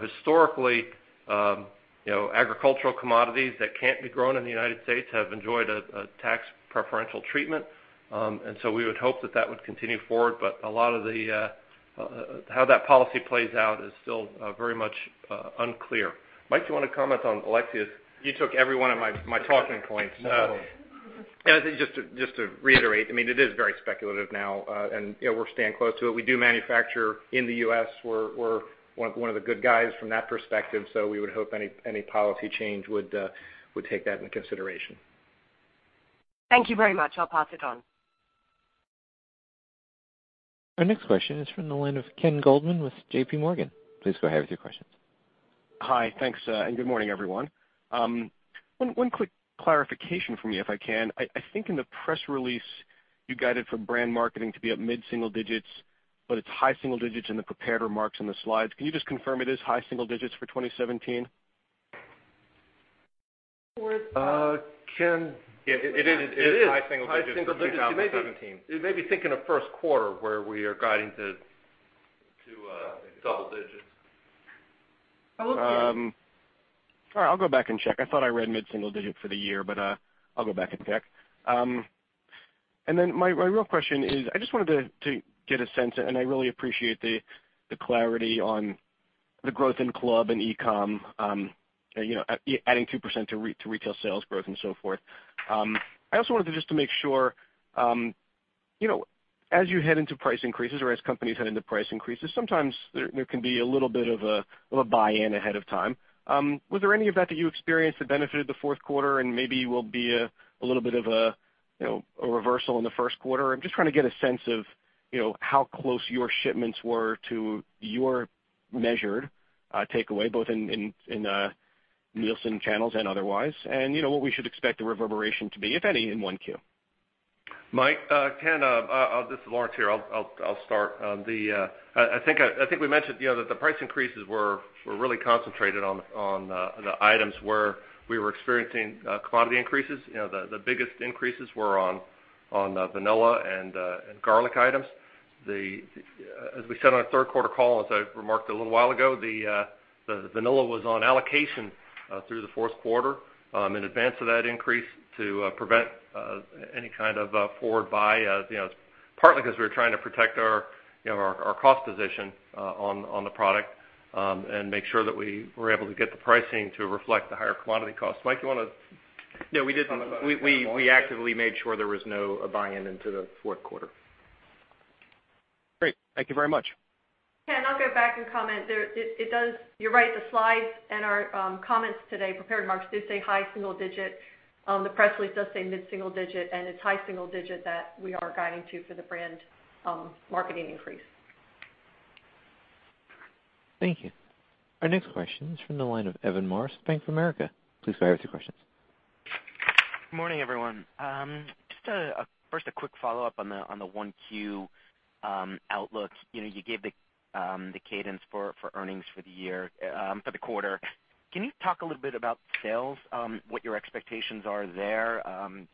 Historically, agricultural commodities that can't be grown in the United States have enjoyed a tax preferential treatment. We would hope that that would continue forward, but a lot of how that policy plays out is still very much unclear. Mike, do you want to comment on Alexia's? You took every one of my talking points. No. Just to reiterate, it is very speculative now, and we stand close to it. We do manufacture in the U.S. We're one of the good guys from that perspective, so we would hope any policy change would take that into consideration. Thank you very much. I'll pass it on. Our next question is from the line of Ken Goldman with JPMorgan. Please go ahead with your questions. Hi. Thanks, good morning, everyone. One quick clarification for me, if I can. I think in the press release, you guided for brand marketing to be at mid-single digits, but it's high single digits in the prepared remarks in the slides. Can you just confirm it is high single digits for 2017? Ken- It is high single digits in 2017. You may be thinking of first quarter, where we are guiding to double digits. I was too. All right. I'll go back and check. I thought I read mid-single digit for the year, but I'll go back and check. My real question is I just wanted to get a sense, and I really appreciate the clarity on the growth in club and e-com, adding 2% to retail sales growth and so forth. I also wanted to just to make sure, as you head into price increases or as companies head into price increases, sometimes there can be a little bit of a buy-in ahead of time. Was there any of that you experienced that benefited the fourth quarter and maybe will be a little bit of a reversal in the first quarter? I'm just trying to get a sense of how close your shipments were to your measured takeaway, both in Nielsen channels and otherwise, and what we should expect the reverberation to be, if any, in 1Q? Mike, Ken, this is Lawrence here. I'll start. I think we mentioned that the price increases were really concentrated on the items where we were experiencing commodity increases. The biggest increases were on the vanilla and garlic items. As we said on our third quarter call, as I remarked a little while ago, the vanilla was on allocation through the fourth quarter in advance of that increase to prevent any kind of forward buy, partly because we were trying to protect our cost position on the product and make sure that we were able to get the pricing to reflect the higher commodity costs. Mike, you want to Yeah, we did. We actively made sure there was no buying into the fourth quarter. Great. Thank you very much. Ken, I'll go back and comment. You're right, the slides and our comments today, prepared remarks, do say high single digit. The press release does say mid single digit. It's high single digit that we are guiding to for the brand marketing increase. Thank you. Our next question is from the line of Evan Morris, Bank of America. Please go ahead with your questions. Good morning, everyone. Just first, a quick follow-up on the 1Q outlook. You gave the cadence for earnings for the year, for the quarter. Can you talk a little bit about sales, what your expectations are there?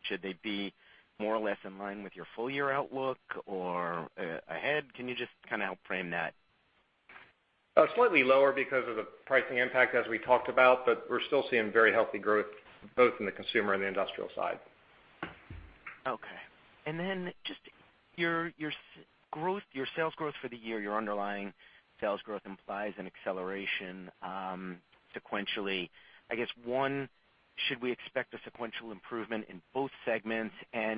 Should they be more or less in line with your full-year outlook or ahead? Can you just help frame that? Slightly lower because of the pricing impact, as we talked about. We're still seeing very healthy growth, both in the consumer and the industrial side. Okay. Just your sales growth for the year, your underlying sales growth implies an acceleration sequentially. I guess, one, should we expect a sequential improvement in both segments?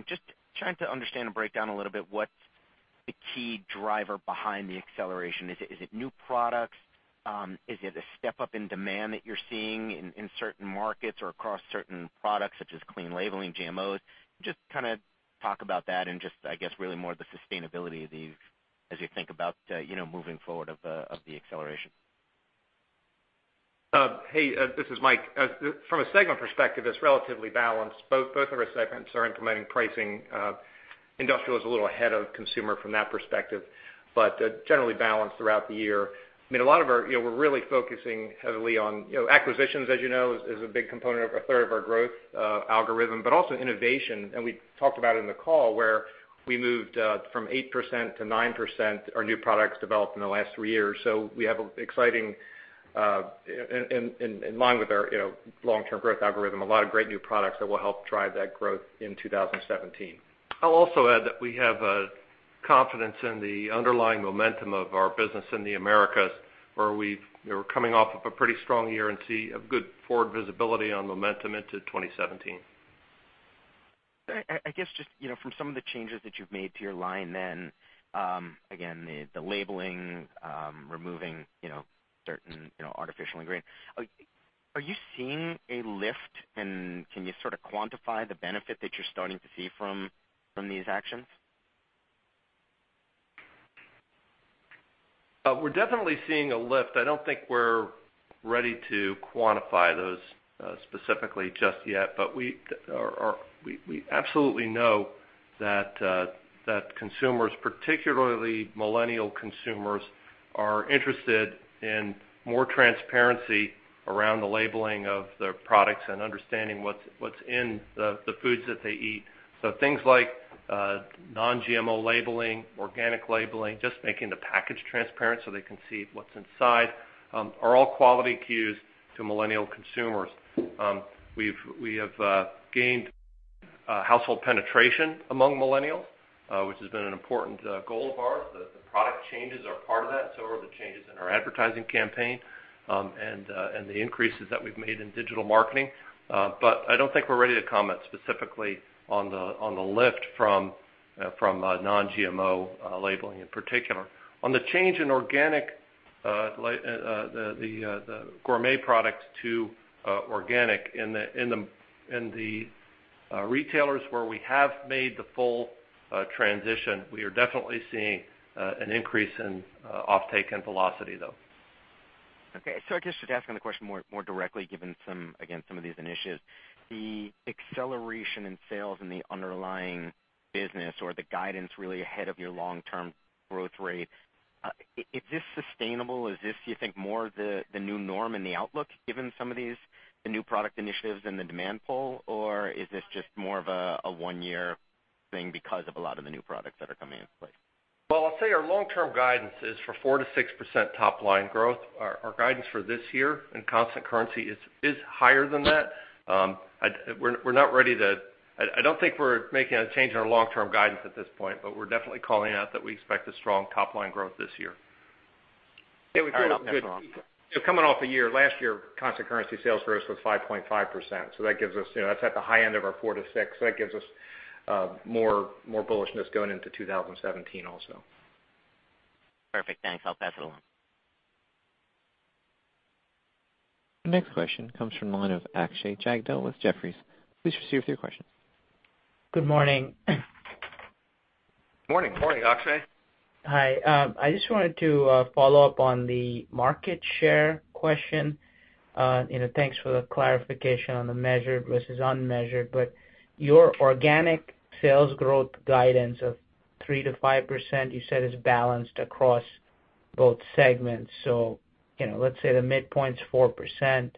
Just trying to understand and break down a little bit what's the key driver behind the acceleration. Is it new products? Is it a step up in demand that you're seeing in certain markets or across certain products such as clean labeling, GMOs? Just talk about that and just, I guess, really more the sustainability of these as you think about moving forward of the acceleration. Mike. From a segment perspective, it's relatively balanced. Both of our segments are implementing pricing. Industrial is a little ahead of consumer from that perspective, but generally balanced throughout the year. We're really focusing heavily on acquisitions, as you know, is a big component of a third of our growth algorithm, but also innovation. We talked about it in the call where we moved from 8% to 9% our new products developed in the last three years. We have an exciting, in line with our long-term growth algorithm, a lot of great new products that will help drive that growth in 2017. I'll also add that we have confidence in the underlying momentum of our business in the Americas, where we're coming off of a pretty strong year and see a good forward visibility on momentum into 2017. I guess just from some of the changes that you've made to your line then, again, the labeling, removing certain artificial ingredients. Are you seeing a lift, and can you quantify the benefit that you're starting to see from these actions? We're definitely seeing a lift. I don't think we're ready to quantify those specifically just yet, but we absolutely know that consumers, particularly millennial consumers, are interested in more transparency around the labeling of their products and understanding what's in the foods that they eat. Things like non-GMO labeling, organic labeling, just making the package transparent so they can see what's inside, are all quality cues to millennial consumers. We have gained household penetration among millennials which has been an important goal of ours. The product changes are part of that. Are the changes in our advertising campaign and the increases that we've made in digital marketing. I don't think we're ready to comment specifically on the lift from non-GMO labeling in particular. On the change in organic, the gourmet products to organic in the retailers where we have made the full transition, we are definitely seeing an increase in offtake and velocity, though. Okay. I guess just asking the question more directly, given, again, some of these initiatives. The acceleration in sales in the underlying business or the guidance really ahead of your long-term growth rate, is this sustainable? Is this, you think, more of the new norm in the outlook given some of these new product initiatives and the demand pull, or is this just more of a one-year thing because of a lot of the new products that are coming into play? Well, I'll say our long-term guidance is for 4%-6% top-line growth. Our guidance for this year in constant currency is higher than that. I don't think we're making a change in our long-term guidance at this point, but we're definitely calling out that we expect a strong top-line growth this year. Yeah, we feel good. Coming off last year, constant currency sales growth was 5.5%. That's at the high end of our 4%-6%. That gives us more bullishness going into 2017 also. Perfect. Thanks. I'll pass it along. The next question comes from the line of Akshay Jagdale with Jefferies. Please proceed with your question. Good morning. Morning, Akshay. Hi. I just wanted to follow up on the market share question. Thanks for the clarification on the measured versus unmeasured. Your organic sales growth guidance of 3%-5%, you said is balanced across both segments. Let's say the midpoint's 4%.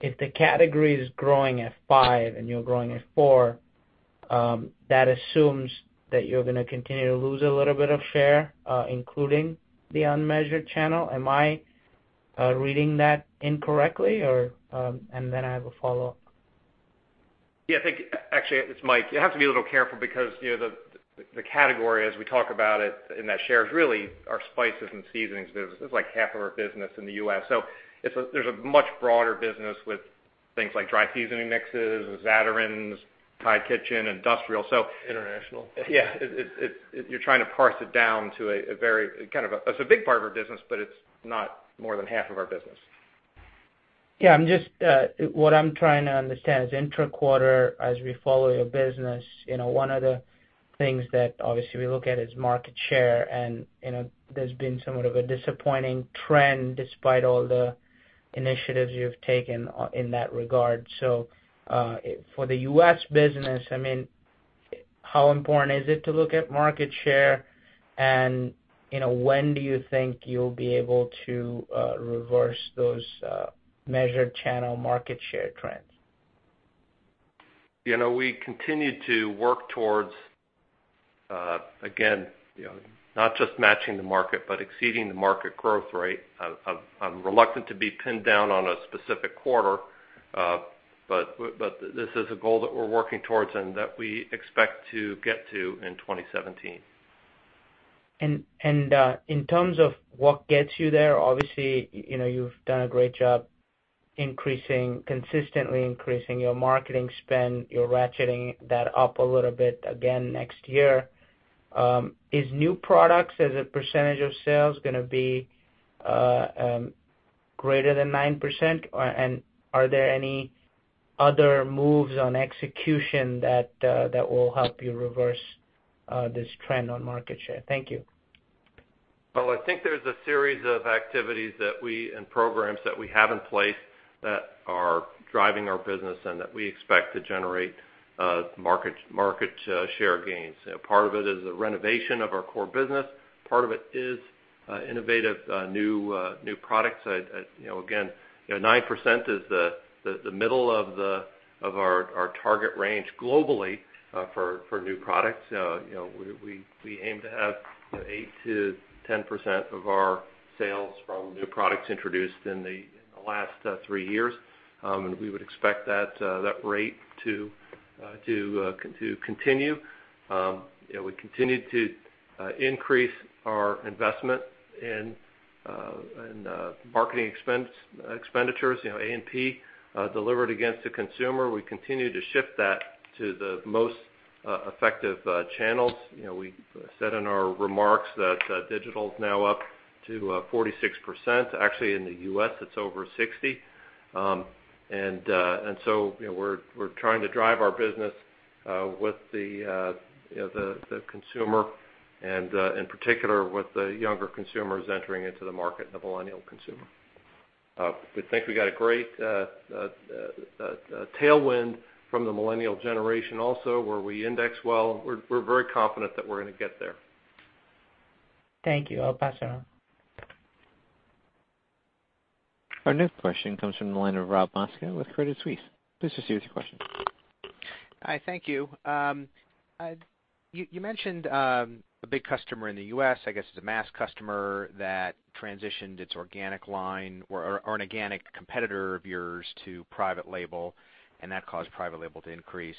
If the category is growing at 5% and you're growing at 4%, that assumes that you're going to continue to lose a little bit of share, including the unmeasured channel. Am I reading that incorrectly? I have a follow-up. Yeah, I think, Akshay, it's Mike. You have to be a little careful because the category as we talk about it in that share is really our spices and seasonings business. It's like half of our business in the U.S. There's a much broader business with things like dry seasoning mixes, and Zatarain's, Thai Kitchen, industrial. International. Yeah. You're trying to parse it down. It's a big part of our business, but it's not more than half of our business. Yeah, what I'm trying to understand is intra-quarter, as we follow your business, one of the things that obviously we look at is market share, and there's been somewhat of a disappointing trend despite all the initiatives you've taken in that regard. For the U.S. business, how important is it to look at market share, and when do you think you'll be able to reverse those measured channel market share trends? We continue to work towards, again, not just matching the market, but exceeding the market growth rate. I'm reluctant to be pinned down on a specific quarter, but this is a goal that we're working towards and that we expect to get to in 2017. In terms of what gets you there, obviously, you've done a great job consistently increasing your marketing spend. You're ratcheting that up a little bit again next year. Is new products as a percentage of sales going to be greater than 9%? Are there any other moves on execution that will help you reverse this trend on market share? Thank you. Well, I think there's a series of activities and programs that we have in place that are driving our business and that we expect to generate market share gains. Part of it is the renovation of our core business. Part of it is innovative new products. Again, 9% is the middle of our target range globally for new products. We aim to have 8%-10% of our sales from new products introduced in the last three years. We would expect that rate to continue. We continue to increase our investment in marketing expenditures, A&P, delivered against the consumer. We continue to shift that to the most effective channels. We said in our remarks that digital's now up to 46%. Actually, in the U.S., it's over 60. We're trying to drive our business with the consumer and, in particular, with the younger consumers entering into the market and the millennial consumer. We think we got a great tailwind from the millennial generation also, where we index well. We're very confident that we're going to get there. Thank you. I'll pass it on. Our next question comes from the line of Robert Moskow with Credit Suisse. Please proceed with your question. Hi, thank you. You mentioned a big customer in the U.S., I guess it's a mass customer, that transitioned its organic line or an organic competitor of yours to private label, and that caused private label to increase.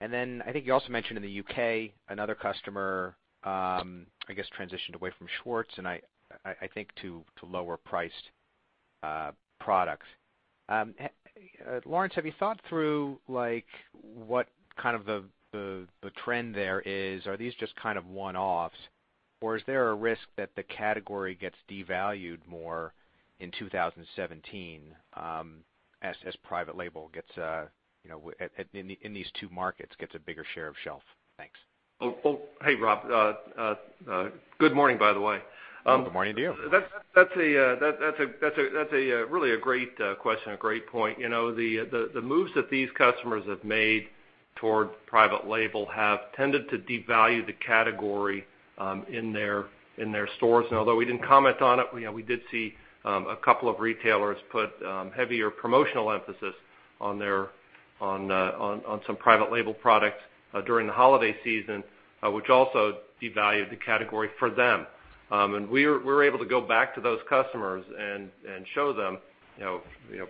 I think you also mentioned in the U.K., another customer, I guess, transitioned away from Schwartz and I think to lower priced products. Lawrence, have you thought through what the trend there is? Are these just one-offs or is there a risk that the category gets devalued more in 2017, as private label, in these two markets, gets a bigger share of shelf? Thanks. Oh, hey, Rob. Good morning, by the way. Good morning to you. That's really a great question, a great point. The moves that these customers have made toward private label have tended to devalue the category in their stores. Although we didn't comment on it, we did see a couple of retailers put heavier promotional emphasis on some private label products during the holiday season, which also devalued the category for them. We're able to go back to those customers and show them,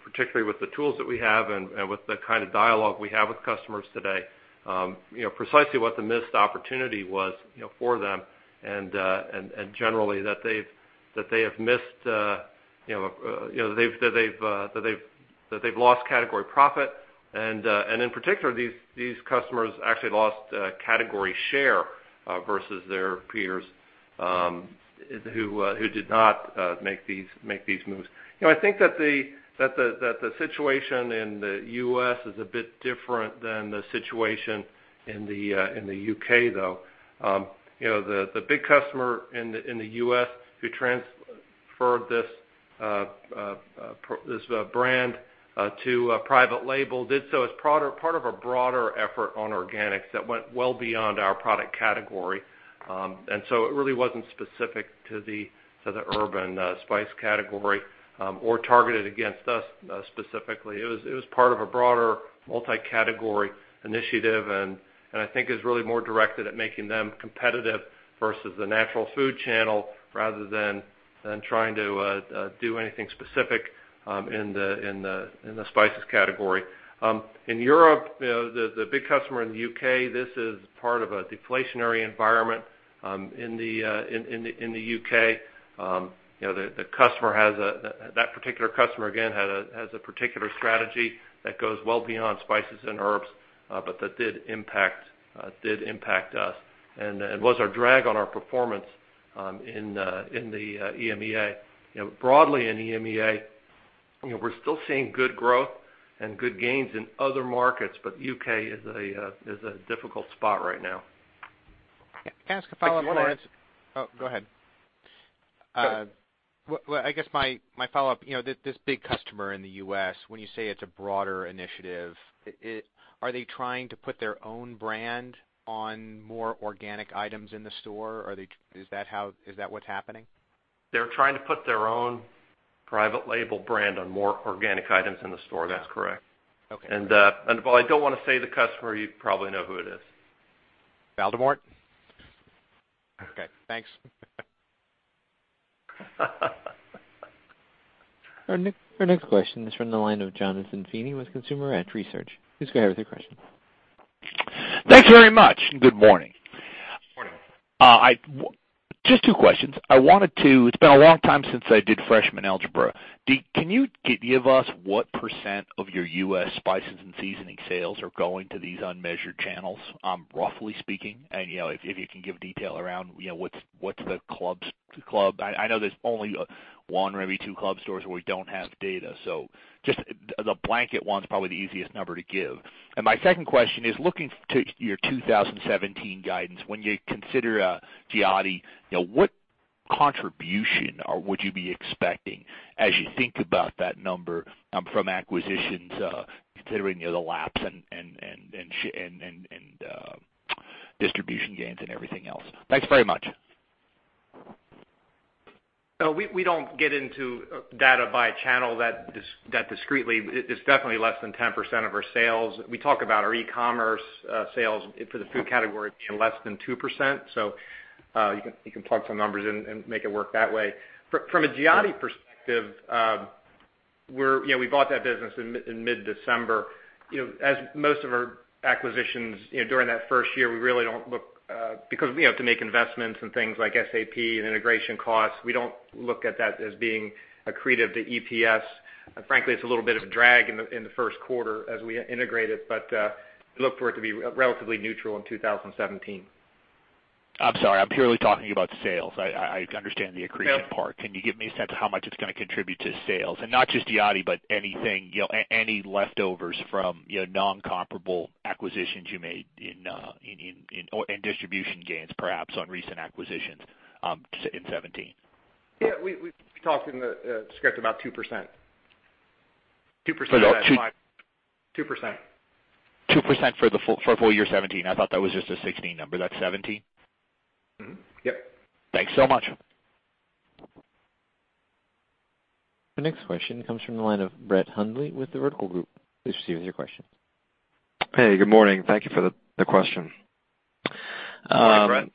particularly with the tools that we have and with the kind of dialogue we have with customers today, precisely what the missed opportunity was for them and, generally, that they've lost category profit and, in particular, these customers actually lost category share versus their peers who did not make these moves. I think that the situation in the U.S. is a bit different than the situation in the U.K., though. The big customer in the U.S. who transferred this brand to a private label did so as part of a broader effort on organics that went well beyond our product category. It really wasn't specific to the herb and spice category, or targeted against us specifically. It was part of a broader multi-category initiative, I think is really more directed at making them competitive versus the natural food channel, rather than trying to do anything specific in the spices category. In Europe, the big customer in the U.K., this is part of a deflationary environment in the U.K. That particular customer, again, has a particular strategy that goes well beyond spices and herbs, That did impact us and was a drag on our performance in the EMEA. Broadly in EMEA, we're still seeing good growth and good gains in other markets, The U.K. is in a difficult spot right now. Can I ask a follow-up on that? Sure. Oh, go ahead. Go ahead. I guess my follow-up, this big customer in the U.S., when you say it's a broader initiative, are they trying to put their own brand on more organic items in the store? Is that what's happening? They're trying to put their own private label brand on more organic items in the store. That's correct. Okay. While I don't want to say the customer, you probably know who it is. Baldemort? Okay, thanks. Our next question is from the line of Jonathan Feeney with Consumer Edge Research. Please go ahead with your question. Thanks very much. Good morning. Morning. Just two questions. It's been a long time since I did freshman algebra. Can you give us what % of your U.S. spices and seasoning sales are going to these unmeasured channels, roughly speaking? If you can give detail around what's the club I know there's only one or maybe two club stores where we don't have data, so just the blanket one's probably the easiest number to give. My second question is looking to your 2017 guidance, when you consider Giotti, what contribution would you be expecting as you think about that number from acquisitions, considering the lapse and distribution gains and everything else? Thanks very much. We don't get into data by channel that discreetly. It's definitely less than 10% of our sales. We talk about our e-commerce sales for the food category being less than 2%, so you can plug some numbers in and make it work that way. From a Giotti perspective, we bought that business in mid-December. As most of our acquisitions, during that first year, because we have to make investments in things like SAP and integration costs, we don't look at that as being accretive to EPS. Frankly, it's a little bit of a drag in the first quarter as we integrate it. Look for it to be relatively neutral in 2017. I'm sorry. I'm purely talking about sales. I understand the accretion part. Yeah. Can you give me a sense of how much it's going to contribute to sales? Not just Giotti, but any leftovers from non-comparable acquisitions you made, and distribution gains perhaps on recent acquisitions in 2017. Yeah. We talked in the script about 2%. 2%. 2%. 2% for full year 2017. I thought that was just a 2016 number. That's 2017? Mm-hmm. Yep. Thanks so much. The next question comes from the line of Brett Hundley with The Vertical Group. Please proceed with your question. Hey, good morning. Thank you for the question. Hi, Brett.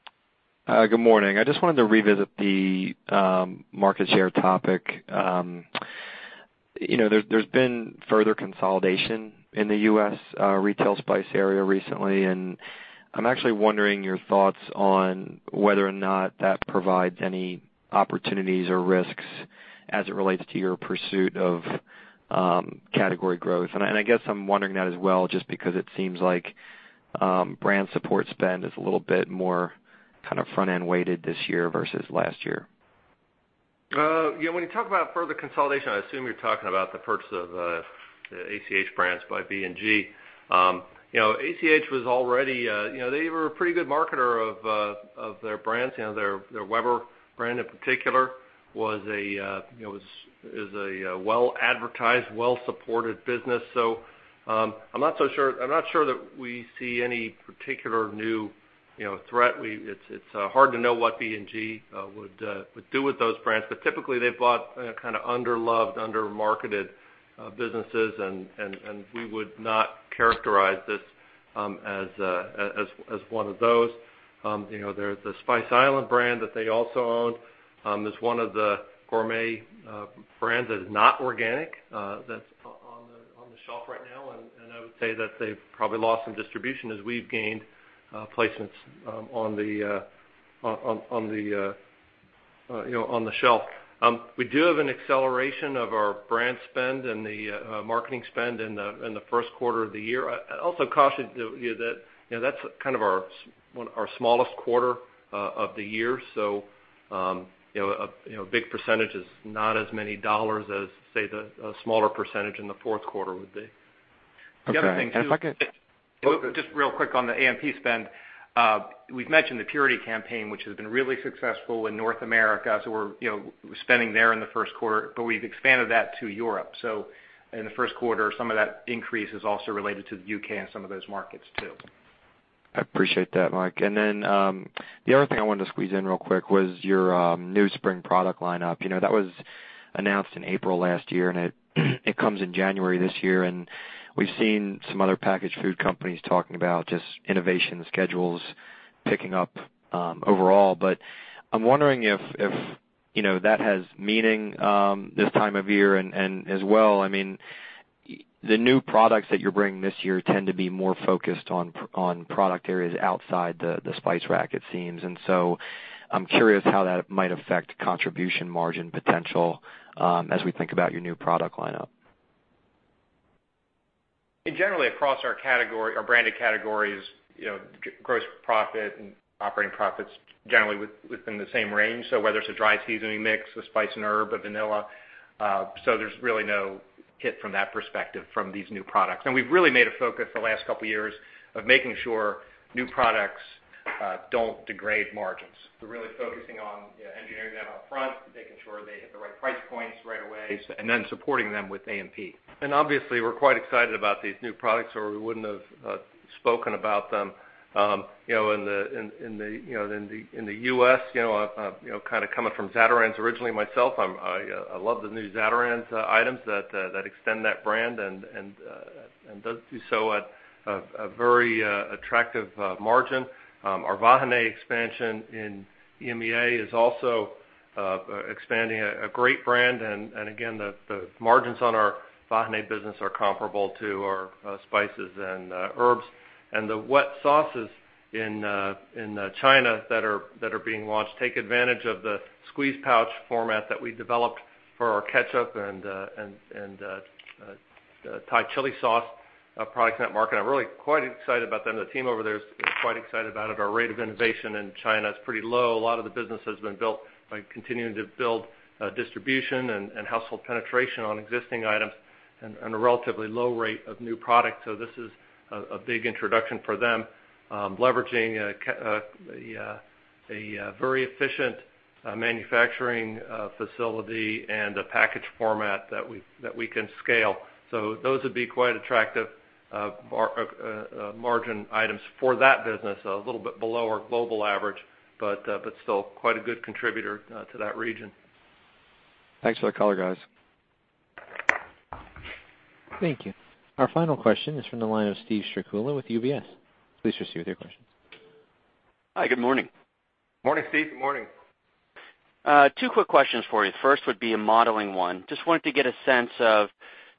Good morning. I just wanted to revisit the market share topic. There's been further consolidation in the U.S. retail spice area recently, I'm actually wondering your thoughts on whether or not that provides any opportunities or risks as it relates to your pursuit of category growth. I guess I'm wondering that as well, just because it seems like brand support spend is a little bit more front-end weighted this year versus last year. When you talk about further consolidation, I assume you're talking about the purchase of the ACH brands by B&G. ACH was already a pretty good marketer of their brands. Their Weber brand in particular was a well advertised, well-supported business. I'm not sure that we see any particular new threat. It's hard to know what B&G would do with those brands, typically they've bought underloved, under-marketed businesses and we would not characterize this as one of those. There's the Spice Islands brand that they also own, is one of the gourmet brands that is not organic that's on the shelf right now, I would say that they've probably lost some distribution as we've gained placements on the shelf. We do have an acceleration of our brand spend and the marketing spend in the first quarter of the year. I also caution you that that's our smallest quarter of the year, a big % is not as many dollars as, say, the smaller % in the fourth quarter would be. Okay. If I could- Just real quick on the A&P spend. We've mentioned the Purity campaign, which has been really successful in North America, so we're spending there in the first quarter. We've expanded that to Europe. In the first quarter, some of that increase is also related to the U.K. and some of those markets, too. I appreciate that, Mike. The other thing I wanted to squeeze in real quick was your new spring product lineup. That was announced in April last year, and it comes in January this year. We've seen some other packaged food companies talking about just innovation schedules picking up overall. I'm wondering if that has meaning this time of year, and as well, the new products that you're bringing this year tend to be more focused on product areas outside the spice rack, it seems. I'm curious how that might affect contribution margin potential as we think about your new product lineup. Generally across our branded categories, gross profit and operating profits generally within the same range. So whether it's a dry seasoning mix, a spice and herb, a vanilla, so there's really no hit from that perspective from these new products. We've really made a focus the last couple of years of making sure new products don't degrade margins. We're really focusing on engineering them up front, making sure they hit the right price points right away, and then supporting them with A&P. Obviously, we're quite excited about these new products, or we wouldn't have spoken about them. In the U.S., kind of coming from Zatarain's originally myself, I love the new Zatarain's items that extend that brand and does do so at a very attractive margin. Our Vahiné expansion in EMEA is also expanding a great brand, and again, the margins on our Vahiné business are comparable to our spices and herbs. The wet sauces in China that are being launched take advantage of the squeeze pouch format that we developed for our ketchup and Thai chili sauce products in that market. I'm really quite excited about them. The team over there is quite excited about it. Our rate of innovation in China is pretty low. A lot of the business has been built by continuing to build distribution and household penetration on existing items and a relatively low rate of new product. This is a big introduction for them, leveraging a very efficient manufacturing facility and a package format that we can scale. Those would be quite attractive margin items for that business, a little bit below our global average, but still quite a good contributor to that region. Thanks for the color, guys. Thank you. Our final question is from the line of Steven Strycula with UBS. Please proceed with your question. Hi, good morning. Morning, Steve. Morning. Two quick questions for you. First would be a modeling one. Just wanted to get a sense of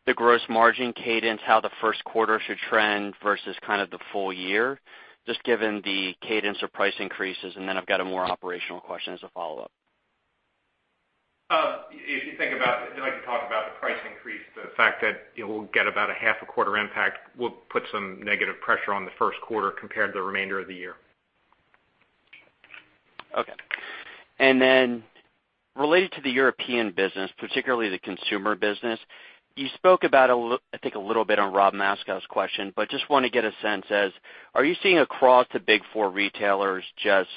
the gross margin cadence, how the first quarter should trend versus the full year, just given the cadence of price increases, and then I've got a more operational question as a follow-up. If you think about it, I'd like to talk about the price increase, the fact that we'll get about a half a quarter impact will put some negative pressure on the first quarter compared to the remainder of the year. Okay. Then related to the European business, particularly the consumer business, you spoke about, I think a little bit on Rob Moskow's question, but just want to get a sense as, are you seeing across the big four retailers just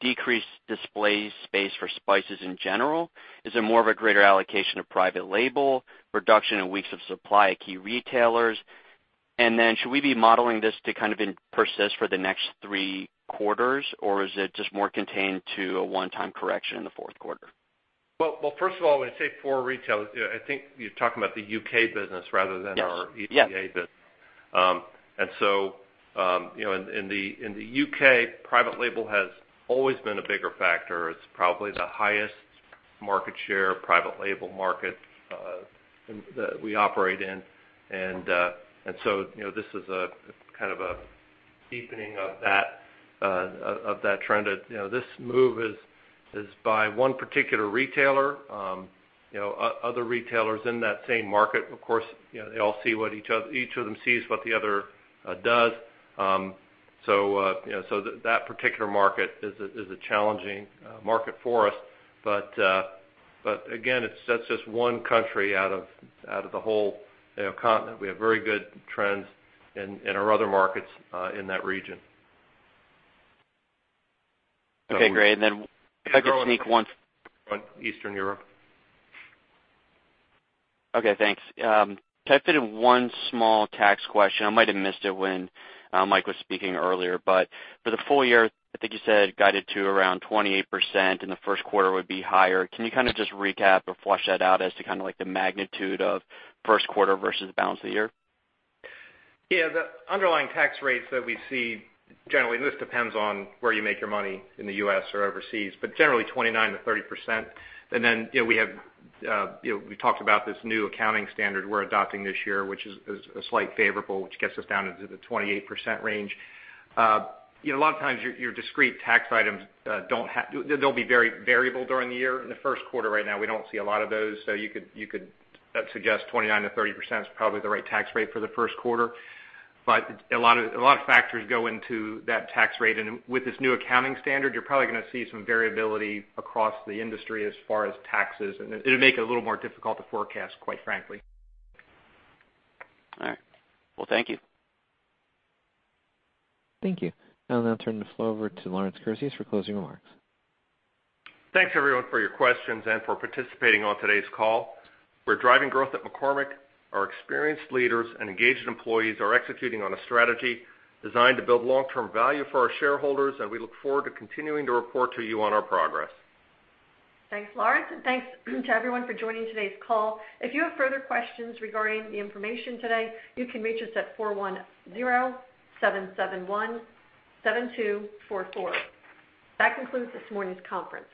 decreased display space for spices in general? Is it more of a greater allocation of private label, reduction in weeks of supply at key retailers? And then should we be modeling this to kind of persist for the next three quarters, or is it just more contained to a one-time correction in the fourth quarter? Well, first of all, when you say four retailers, I think you're talking about the U.K. business rather than our- Yes EMEA business. In the U.K., private label has always been a bigger factor. It's probably the highest market share private label market that we operate in. This is a kind of a deepening of that trend. This move is by one particular retailer. Other retailers in that same market, of course, each of them sees what the other does. That particular market is a challenging market for us. Again, that's just one country out of the whole continent. We have very good trends in our other markets in that region. Okay, great if I could sneak one- Eastern Europe. Okay, thanks. Can I fit in one small tax question? I might have missed it when Mike was speaking earlier. For the full year, I think you said guided to around 28%, and the first quarter would be higher. Can you kind of just recap or flush that out as to kind of like the magnitude of first quarter versus balance of the year? Yeah, the underlying tax rates that we see generally, and this depends on where you make your money in the U.S. or overseas, but generally 29%-30%. We talked about this new accounting standard we're adopting this year, which is a slight favorable, which gets us down into the 28% range. A lot of times, your discrete tax items, they'll be very variable during the year. In the first quarter right now, we don't see a lot of those, so you could suggest 29%-30% is probably the right tax rate for the first quarter. A lot of factors go into that tax rate, and with this new accounting standard, you're probably going to see some variability across the industry as far as taxes, and it'll make it a little more difficult to forecast, quite frankly. All right. Well, thank you. Thank you. I'll now turn the floor over to Lawrence Kurzius for closing remarks. Thanks, everyone, for your questions and for participating on today's call. We're driving growth at McCormick. Our experienced leaders and engaged employees are executing on a strategy designed to build long-term value for our shareholders, and we look forward to continuing to report to you on our progress. Thanks, Lawrence, and thanks to everyone for joining today's call. If you have further questions regarding the information today, you can reach us at 410-771-7244. That concludes this morning's conference.